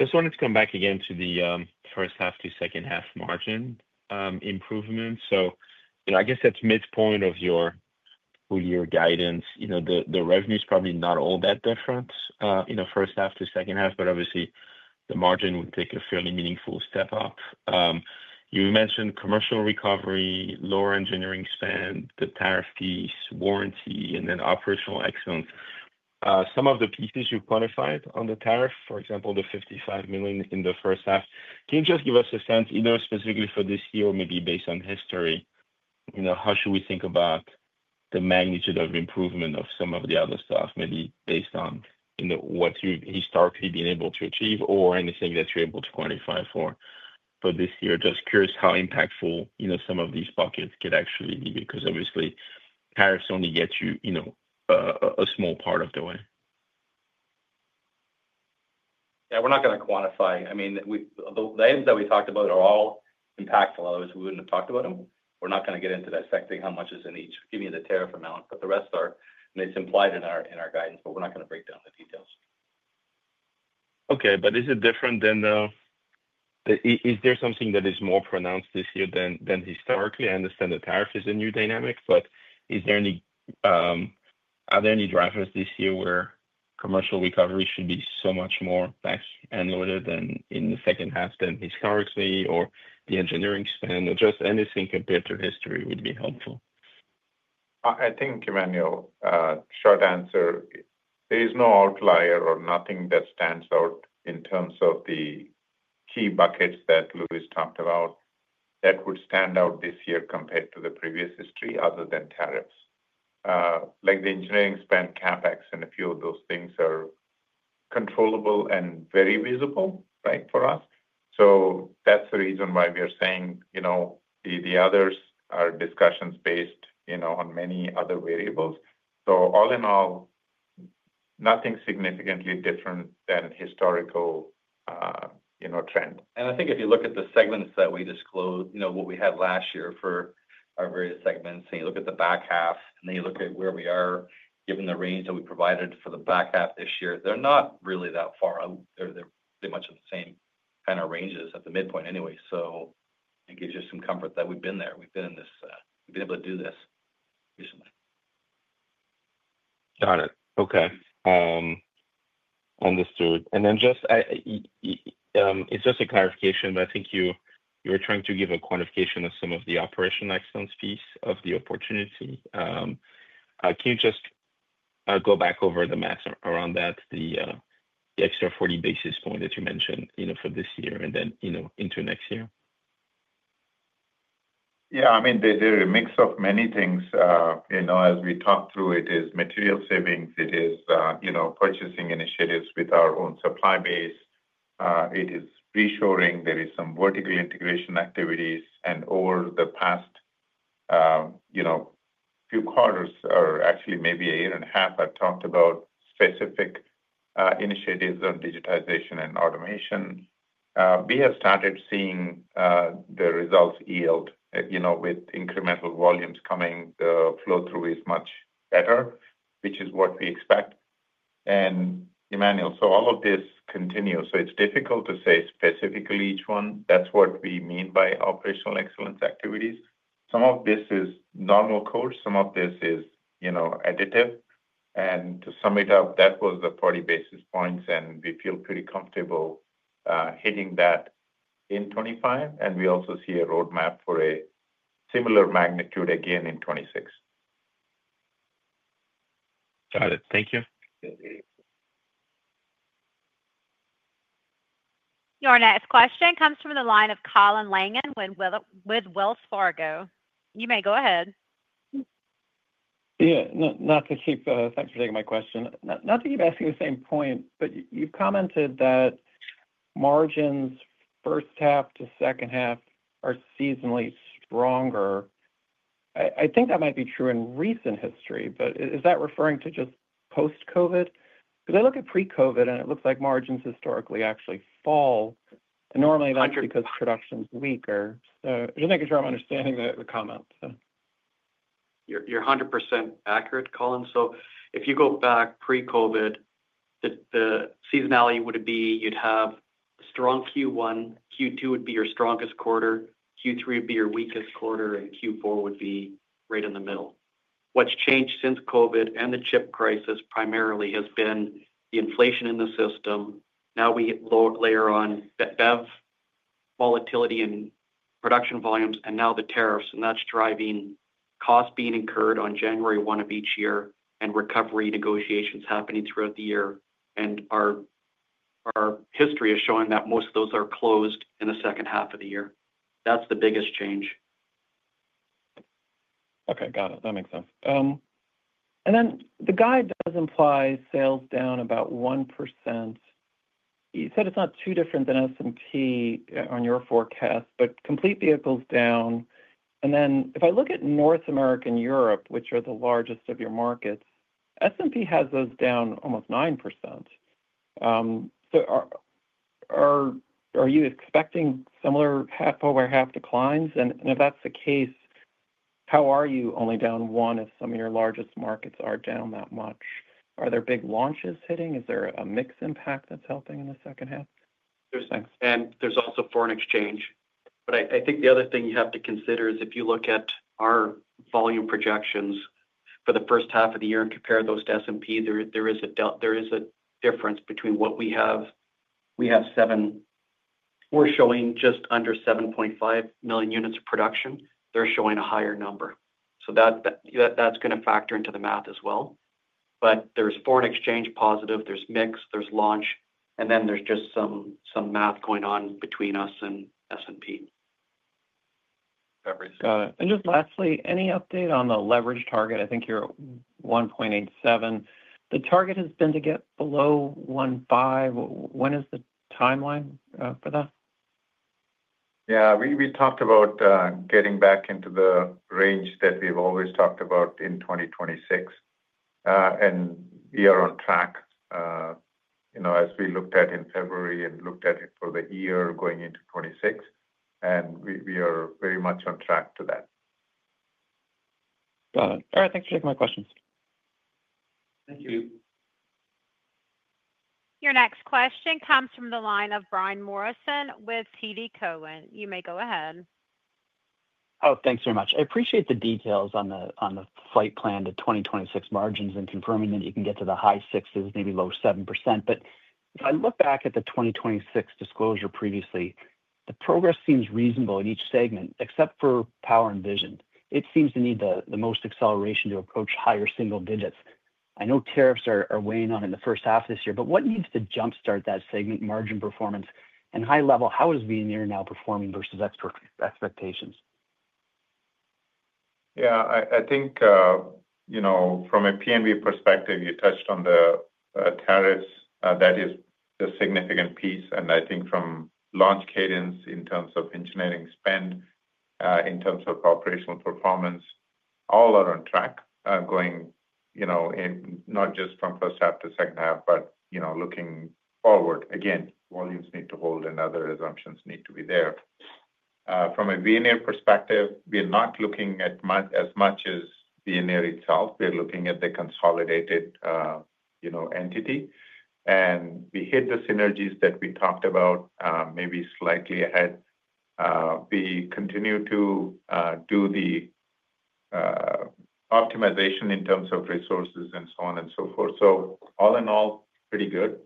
Just wanted to come back again. The first half to second half margin improvements. I guess that's midpoint of your full year guidance. You know, the revenue is probably not all that different. In the first half to second half, obviously the margin would take a fairly meaningful step up. You mentioned commercial recovery, lower engineering spend, the tariff fees, warranty, and then operational excellence. Some of the pieces you quantified on. The tariff, for example, the $55 million in the first half. Can you just give us a sense? Either specifically for this year or maybe. Based on history, how should we think about the magnitude of improvement of some of the other stuff, maybe based on what you've historically been able to achieve or anything that you're able to quantify for this year. Just curious how impactful, you know, some of these pockets could actually be because obviously, tariffs only get you, you know, a small part of the way. We're not going to quantify. I mean, the items that we talked about are all impactful, otherwise we wouldn't have talked about them. We're not going to get into dissecting how much is in each give me the tariff amount. The rest are, and it's implied in our guidance, but we're not going to break down the details. Okay, is it different than the, is there something that is more pronounced this year than historically? I understand the tariff is new dynamic, but is there any, are there any drivers this year where commercial recovery should be so much more back. Loaded than in the second half than historically or the engineering span or just anything compared to history would be helpful. I think. Emmanuel, short answer. There is no outlier or nothing that stands out in terms of the key buckets that Louis talked about that would stand out this year compared to the previous history other than tariffs like the engineering spend CapEx. A few of those things are controllable and very visible for us. That's the reason why we are saying the others are discussions based on many other variables. All in all, nothing significantly different than historical trend. If you look at the segments that we disclosed, you know, what we had last year for our various segments and you look at the back half, and then you look at where we are given the range that we provided for the back half this year, they're not really that far out, or they're pretty much the same kind of ranges at the midpoint anyway. It gives you some comfort that we've been there, we've been in this, we've been able to do this recently. Got it. Okay, understood. It's just a clarification. I think you were trying to give a quantification of some of the operational excellence piece of the opportunity. Can you just go back over that maps around that, the extra 40 basis point that you mentioned for this year and then into next year? Yeah, I mean there are a mix of many things as we talk through. It is material savings, it is purchasing initiatives with our own supply base, it is pre shoring, there is some vertical integration activities. Over the past few quarters, or actually maybe a year and a half, I talked about specific initiatives on digitization and automation. We have started seeing the results yield, you know, with incremental volumes coming, the flow through is much better, which is what we expect. Emmanuel. All of this continues. It's difficult to say specifically each one. That's what we mean by operational excellence activities. Some of this is normal course, some of this is, you know, additive. To sum it up, that was the 40 basis points and we feel pretty comfortable hitting that in 2025. We also see a roadmap for a similar magnitude again in 2026. Got it, thank you. Your next question comes from the line of Colin Langan with Wells Fargo, you may go ahead. Yeah. Thanks for taking my question. Not to keep asking the same point, but you've commented that margins first half to second half are seasonally stronger. I think that might be true in recent history, but is that referring to just post Covid? Because I look at pre Covid and it looks like margins historically actually fall. Normally that's because production's weaker. Just making sure I'm understanding the comments. You're 100% accurate, Colin. If you go back pre Covid, the seasonality would be you’d have strong Q1, Q2 would be your strongest quarter, Q3 would be your weakest quarter, and Q4 would be right in the middle. What's changed since COVID and the chip crisis primarily has been the inflation in the system. Now we layer on BEV volatility and production volumes, and now the tariffs, and that's driving costs being incurred on January 1 of each year and recovery negotiations happening throughout the year. Our history is showing that most of those are closed in the second half of the year. That's the biggest change. Okay, got it. That makes sense. The guide does imply sales down about 1%. He said it's not too different than S&P on your forecast, but complete vehicles down. If I look at North America and Europe, which are the largest of your markets, S&P has those down almost 9%. Are you expecting similar half over half declines? If that's the case, how are you only down 1% if some of your largest markets are down that much? Are there big launches hitting? Is there a mix impact that's helping in the second half? There's also foreign exchange. I think the other thing you have to consider is if you look at our volume projections for the first half of the year and compare those to S&P, there is a difference between what we have. We have just under 7.5 million units of production. They're showing a higher number. That's going to factor into the math as well. There's foreign exchange positive, there's mix, there's launch, and then there's just some math going on between us and S&P. Got it. Just lastly, any update on the leverage target? I think you're 1.87. The target has been to get below 1.5. When is the timeline for that? Yeah, we talked about getting back into the range that we've always talked about in 2026. We are on track, you know, as we looked at in February and looked at it for the year going into 2026, and we are very much on track to that. Got it. All right, thanks for taking my questions. Thank you. Your next question comes from the line of Brian Morrison with TD Cowen. You may go ahead. Thanks very much. I appreciate the details on the flight plan to 2026 margins and confirming that you can get to the high sixes, maybe low 7%. If I look back at the 2026 disclosure previously, the progress seems reasonable in each segment except for Power and Vision. It seems to need the most acceleration to approach higher single digits. I know tariffs are weighing on in the first half of this year, but what needs to jumpstart that segment. Margin, performance, and high level, how is Veoneer now performing versus expectations? I think, from a PNV perspective, you touched on the tariffs. That is a significant piece. I think from launch cadence, in terms of engineering spending, in terms of operational performance, all are on track going, not just from first half to second half, but looking forward again. Volumes need to hold and other assumptions need to be there. From a Veoneer perspective, we are not looking at as much as Veoneer itself. We are looking at the consolidated entity and we hit the synergies that we talked about maybe slightly ahead. We continue to do the optimization in terms of resources and so on and so forth. All in all, pretty good.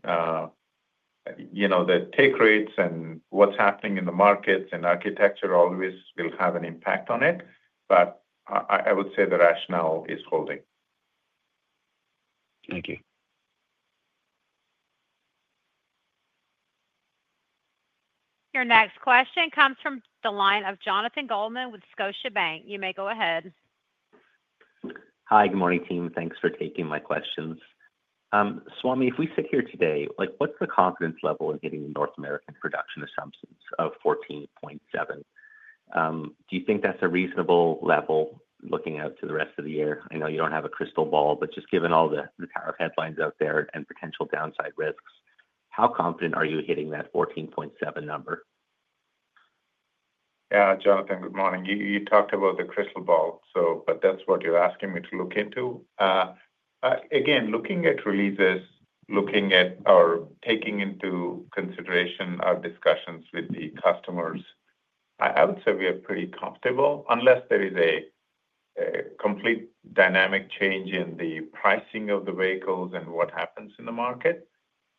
The take rates and what's happening in the markets and architecture always will have an impact on it, but I would say the rationale is holding. Thank you. Your next question comes from the line of Jonathan Goldman with Scotiabank. You may go ahead. Hi, good morning team. Thanks for taking my questions. Swamy, if we sit here today like what's the confidence level in hitting North American production assumptions of 14.7, do you think that's a reasonable level looking out to the rest of the year? I know you don't have a crystal ball, but just given all the tariff headlines out there and potential downside risks, how confident are you hitting that 14.7 number? Yeah. Jonathan, good morning. You talked about the crystal ball, so that's what you're asking me to look into. Again, looking at releases, taking into consideration our discussions with the customers, I would say we are pretty comfortable. Unless there is a complete dynamic change in the pricing of the vehicles and what happens in the market,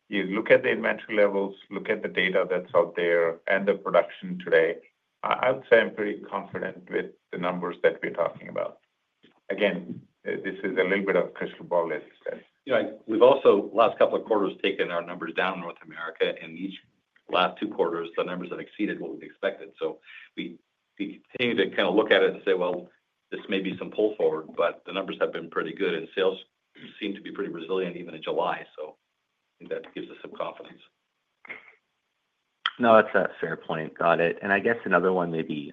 you look at the inventory levels, look at the data that's out there and the production today, I would say I'm pretty confident with the numbers that we're talking about. Again, this is a little bit of crystal ball. We've also, last couple of quarters, taken our numbers down in North America in each last two quarters. The numbers have exceeded what we expected. We continue to kind of look at it and say this may be some pull forward, but the numbers have been pretty good in sales, seem to be pretty resilient even in July. That gives us some confidence. No, that's a fair point. Got it. I guess another one, maybe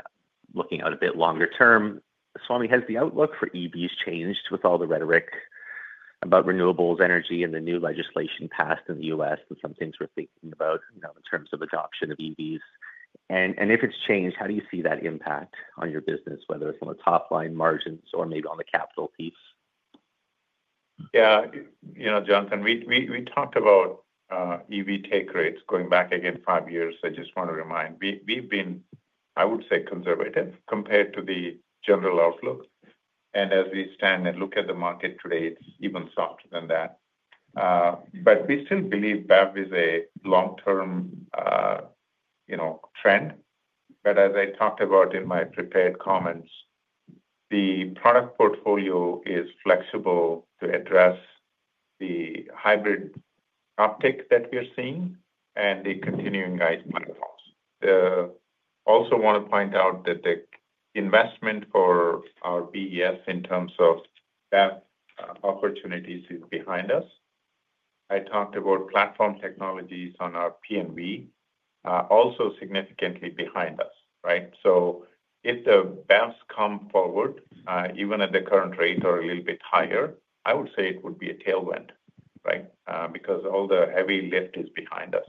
looking out a bit longer term. Swamy, has the outlook for EVs changed? With all the rhetoric about renewables energy and the new legislation passed in the U.S. and some things we're thinking about in terms of adoption of EVs, and if it's changed, how do you see that impact on your business, whether it's on the top line, margins, or maybe on the capital piece? Yeah, you know, Jonathan, we talked about EV take rates going back again five years. I just want to remind we've been, I would say, conservative compared to the general outlook. As we stand and look at the market today, it's even softer than that. We still believe BEV is a long-term, you know, trend. As I talked about in my prepared comments, the product portfolio is flexible to address the hybrid uptick that we are seeing and the continuing guide platforms. I also want to point out that the investment for our BEVs in terms of opportunities is behind us. I talked about platform technologies on our PNV also significantly behind us. Right. If the BEVs come forward even at the current rate or a little bit higher, I would say it would be a tailwind, right, because all the heavy lift is behind us.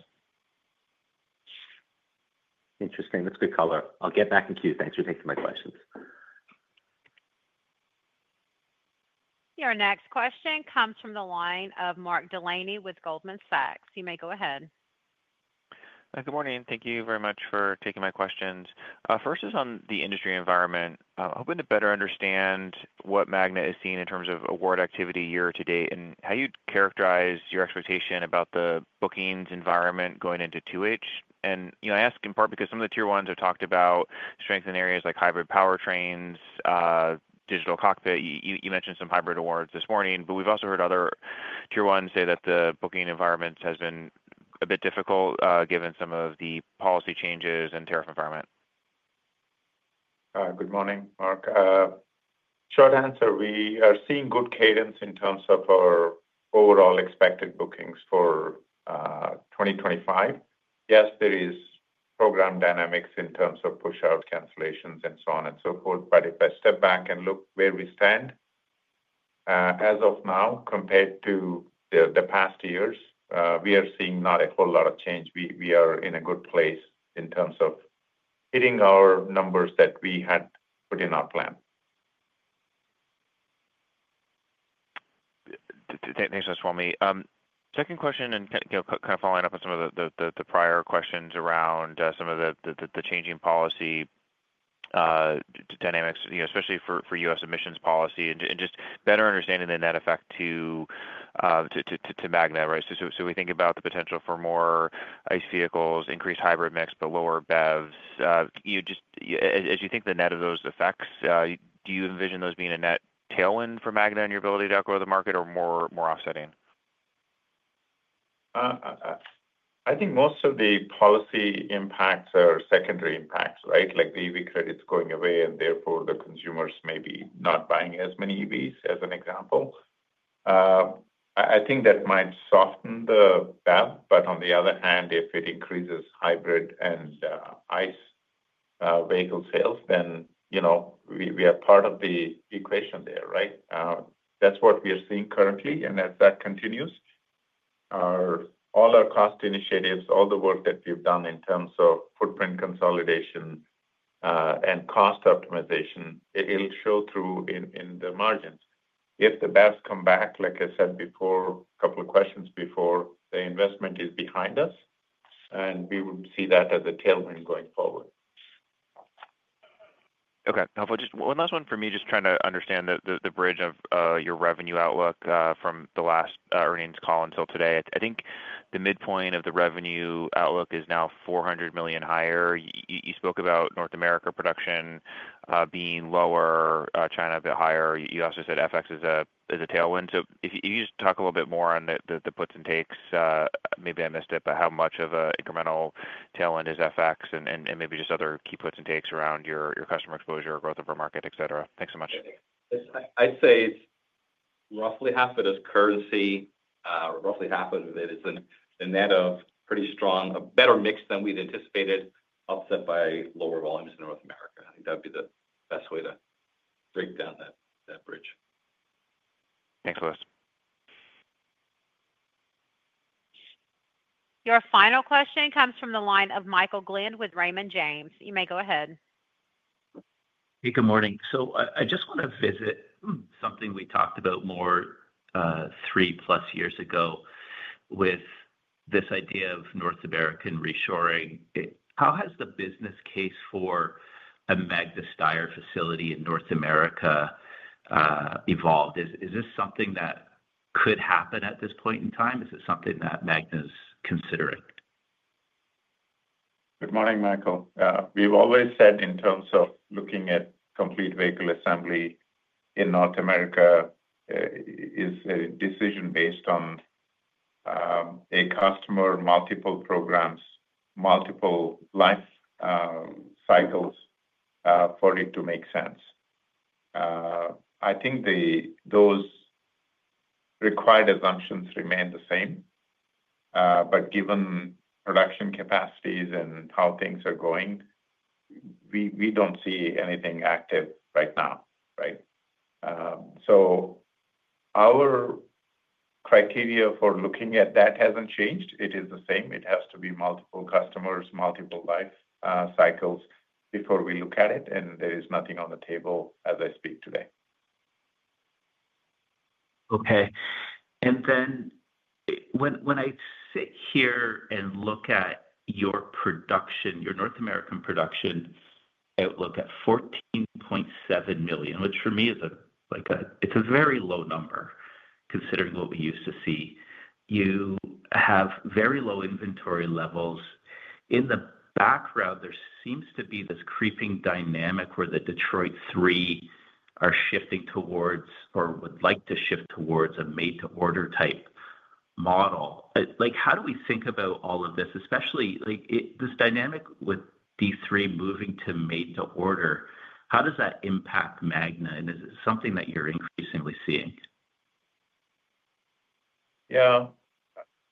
Interesting. That's good color. I'll get back in queue. Thanks for taking my questions. Your next question comes from the line of Mark Delaney with Goldman Sachs. You may go ahead. Good morning. Thank you very much for taking my questions. First is on the industry environment. To better understand what Magna is seeing in terms of award activity year-to- date and how you characterize your expectation about the bookings environment going into 2H. I ask in part because some of the tier ones have talked about strength in areas like hybrid powertrains, digital cockpit. You mentioned some hybrid awards this morning. We have also heard other tier one say that the booking environment has been a bit difficult given some of the policy changes and tariff environment. Good morning, Mark. Short answer. We are seeing good cadence in terms of our overall expected bookings for 2025. Yes, there is program dynamics in terms of push out, cancellations, and so on and so forth. If I step back and look where we stand as of now compared to the past years, we are seeing not a whole lot of change. We are in a good place in terms of hitting our numbers that we had put in our plan. Thanks so much, Swamy. Second question and kind of following up on some of the prior questions around some of the changing policy dynamics, especially for U.S. emissions policy, and just better understanding the net effect to Magna. We think about the potential for more ICE vehicles, increased hybrid mix, but lower BEVs. As you think the net of those effects, do you envision those being a net tailwind for Magna and your ability to outgrow the market or more offsetting? I think most of the policy impacts are secondary impacts. Right. Like the EV credits going away and therefore the consumers may be not buying as many EVs. As an example, I think that might soften the BEV. On the other hand, if it increases hybrid and ICE vehicle sales, then you know we are part of the equation there. Right. That's what we are seeing currently. As that continues, all our cost initiatives, all the work that we've done in terms of footprint consolidation and cost optimization, it'll show through in the margins if the bears come back. Like I said before, a couple of questions before, the investment is behind us and we would see that as a tailwind going forward. Okay, one last one for me. Just trying to understand the bridge of your revenue outlook from the last earnings call until today. I think the midpoint of the revenue outlook is now $400 million higher. You spoke about North America production being lower, China a bit higher. You also said FX is a tailwind. If you just talk a little bit more on the puts and takes, maybe I missed it. How much of an incremental tailwind is FX and maybe just other key puts and takes around your customer exposure, growth over market, etc. Thanks so much. I'd say roughly half of it is currency. Roughly half of it is a net of pretty strong, a better mix than we'd anticipated, offset by lower volumes in North America. I think that would be the best way to break down that bridge. Thanks, Louis. Your final question comes from the line of Michael Glen with Raymond James. You may go ahead. Good morning. I just want to visit something we talked about more than three plus years ago with this idea of North American reshoring. How has the business case for a Magna Steyr facility in North America evolved? Is this something that could happen at this point in time? Is it something that Magna's considering? Good morning, Michael. We've always said in terms of looking at complete vehicle assembly in North America, it is a decision based on a customer, multiple programs, multiple life cycles for it to make sense. Those required assumptions remain the same. Given production capacities and how things are going, we don't see anything active right now. Our criteria for looking at that hasn't changed. It is the same. It has to be multiple customers, multiple life cycles before we look at it. There is nothing on the table as I speak today. Okay. When I sit here and look at your production, your North American production outlook at 14.7 million, which for me is like a very low number considering what we used to see, you have very low inventory levels in the background. There seems to be this creeping dynamic where the Detroit 3 are shifting towards or would like to shift towards a made to order type model. How do we think about all of this, especially this dynamic with D3 moving to made to order? How does that impact Magna? Is it something that you're increasingly seeing? Yeah,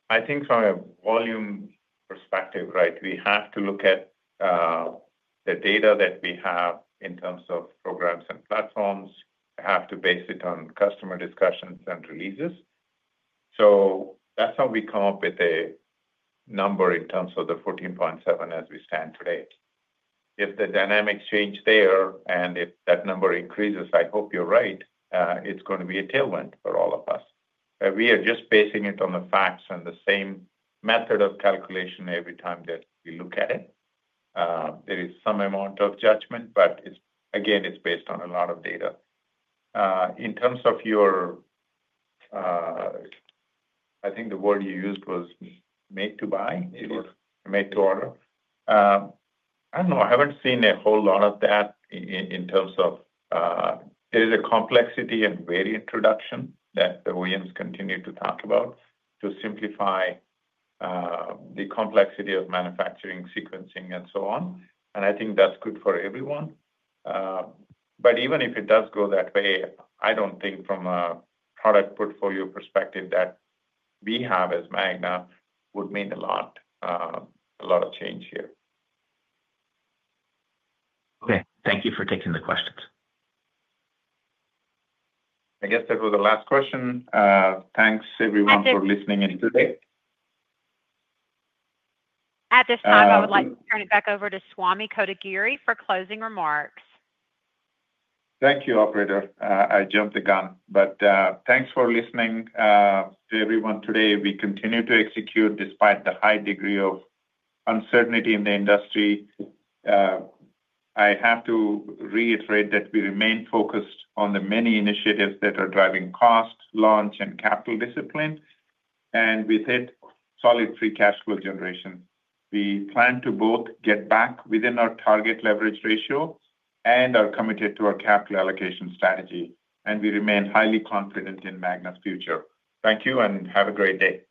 I think from a volume perspective, right, we have to look at the data that we have in terms of programs and platforms, have to base it on customer discussions and releases. That's how we come up with a number in terms of the 14.7 as we stand today. If the dynamics change there and if that number increases, I hope you're right, it's going to be a tailwind for all of us. We are just basing it on the facts and the same method of calculation every time that we look at it. There is some amount of judgment, but again, it's based on a lot of data. I think the word you used was made to buy, made to order. I don't know, I haven't seen a whole lot of that there is a complexity and variant reduction that the OEMs continue to talk about to simplify the complexity of manufacturing, sequencing, and so on. I think that's good for everyone. Even if it does go that way, I don't think from a product portfolio perspective that we have as Magna would mean a lot of change here. Okay, thank you for taking the questions. I guess that was the last question. Thanks everyone for listening in today. At this time I would like to turn it back over to Swamy Kotagiri for closing remarks. Thank you, operator. I jumped the gun, but thanks for listening to everyone today. We continue to execute despite the high degree of uncertainty in the industry. I have to reiterate that we remain focused on the many initiatives that are driving cost launch and capital discipline, and with it, solid Free Cash Flow generation. We plan to both get back within our target leverage ratio and are committed to our capital allocation strategy. We remain highly confident in Magna's future. Thank you and have a great day.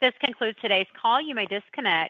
This concludes today's call. You may disconnect.